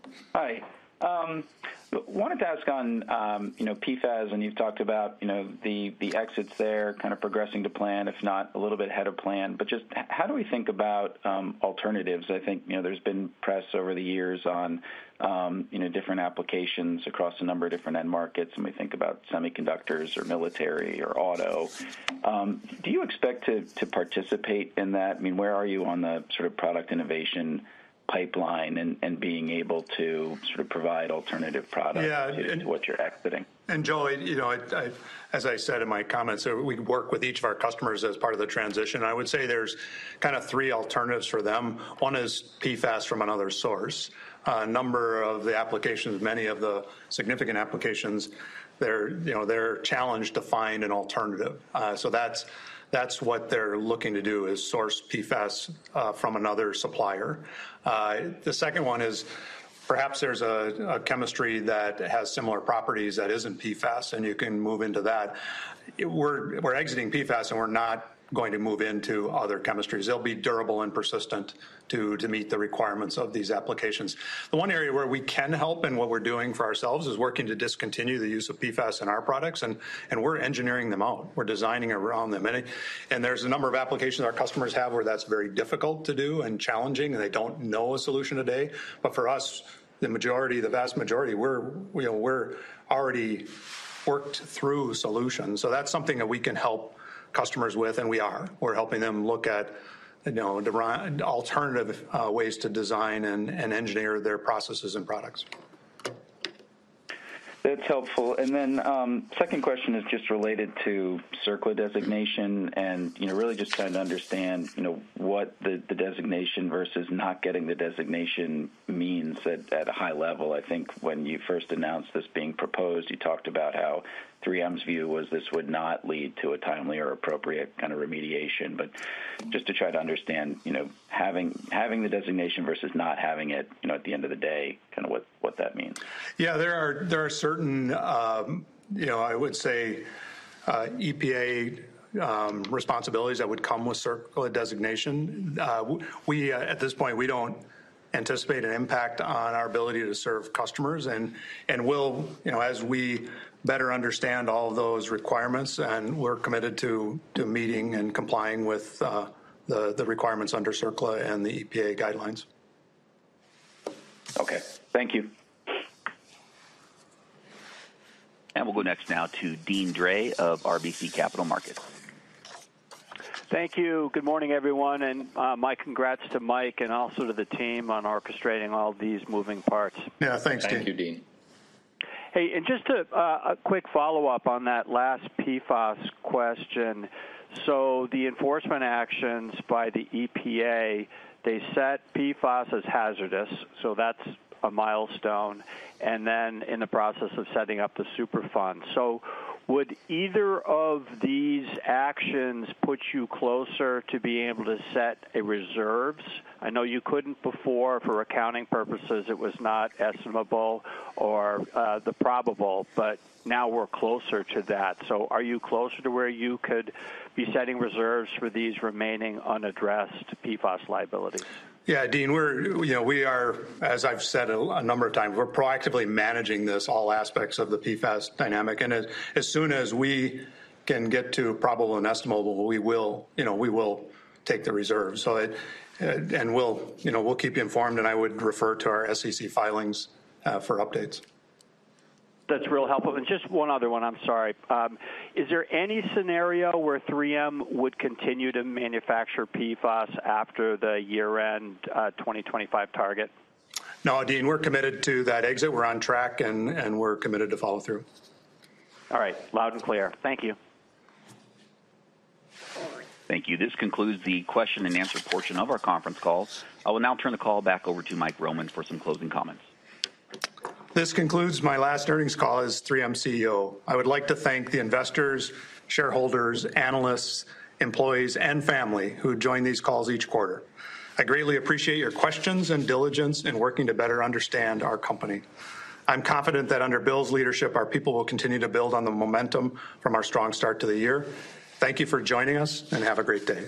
Good morning, Joe. Hi. Wanted to ask on, you know, PFAS, and you've talked about, you know, the exits there kind of progressing to plan, if not a little bit ahead of plan. But just how do we think about, alternatives? I think, you know, there's been press over the years on, you know, different applications across a number of different end markets, when we think about semiconductors or military or auto. Do you expect to participate in that? I mean, where are you on the sort of product innovation pipeline and being able to sort of provide alternative products- Yeah... to what you're exiting? Joe, you know, as I said in my comments, we work with each of our customers as part of the transition, and I would say there's kind of three alternatives for them. One is PFAS from another source. A number of the applications, many of the significant applications, they're, you know, they're challenged to find an alternative. So that's, that's what they're looking to do, is source PFAS from another supplier. The second one is perhaps there's a chemistry that has similar properties that isn't PFAS, and you can move into that. We're exiting PFAS, and we're not going to move into other chemistries. They'll be durable and persistent to meet the requirements of these applications. The one area where we can help and what we're doing for ourselves is working to discontinue the use of PFAS in our products, and we're engineering them out. We're designing around them. And there's a number of applications our customers have where that's very difficult to do and challenging, and they don't know a solution today. But for us, the majority, the vast majority, we're, you know, we're already worked through solutions. So that's something that we can help customers with, and we are. We're helping them look at, you know, the alternative ways to design and engineer their processes and products. That's helpful. Then, second question is just related to CERCLA designation and, you know, really just trying to understand, you know, what the, the designation versus not getting the designation means at, at a high level. I think when you first announced this being proposed, you talked about how 3M's view was this would not lead to a timely or appropriate kind of remediation. But just to try to understand, you know, having, having the designation versus not having it, you know, at the end of the day, kind of what, what that means. Yeah, there are certain, you know, EPA responsibilities that would come with CERCLA designation. We, at this point, we don't anticipate an impact on our ability to serve customers, and we'll, you know, as we better understand all of those requirements, and we're committed to meeting and complying with the requirements under CERCLA and the EPA guidelines. Okay. Thank you. We'll go next now to Deane Dray of RBC Capital Markets. Thank you. Good morning, everyone, and my congrats to Mike and also to the team on orchestrating all these moving parts. Yeah, thanks, Dean. Thank you, Dean. Hey, and just a quick follow-up on that last PFAS question. So the enforcement actions by the EPA, they set PFAS as hazardous, so that's a milestone, and then in the process of setting up the Superfund. So would either of these actions put you closer to being able to set a reserves? I know you couldn't before. For accounting purposes, it was not estimable or the probable, but now we're closer to that. So are you closer to where you could be setting reserves for these remaining unaddressed PFAS liabilities? Yeah, Dean, we're, you know, we are, as I've said a number of times, we're proactively managing this, all aspects of the PFAS dynamic, and as soon as we can get to probable and estimable, we will, you know, we will take the reserve. So it... And we'll, you know, we'll keep you informed, and I would refer to our SEC filings for updates. That's real helpful. And just one other one, I'm sorry. Is there any scenario where 3M would continue to manufacture PFAS after the year-end 2025 target? No, Dean, we're committed to that exit. We're on track, and we're committed to follow through. All right, loud and clear. Thank you. Thank you. This concludes the question and answer portion of our conference call. I will now turn the call back over to Mike Roman for some closing comments. This concludes my last earnings call as 3M CEO. I would like to thank the investors, shareholders, analysts, employees, and family who join these calls each quarter. I greatly appreciate your questions and diligence in working to better understand our company. I'm confident that under Bill's leadership, our people will continue to build on the momentum from our strong start to the year. Thank you for joining us, and have a great day.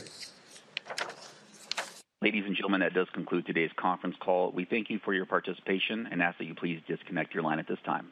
Ladies and gentlemen, that does conclude today's conference call. We thank you for your participation and ask that you please disconnect your line at this time.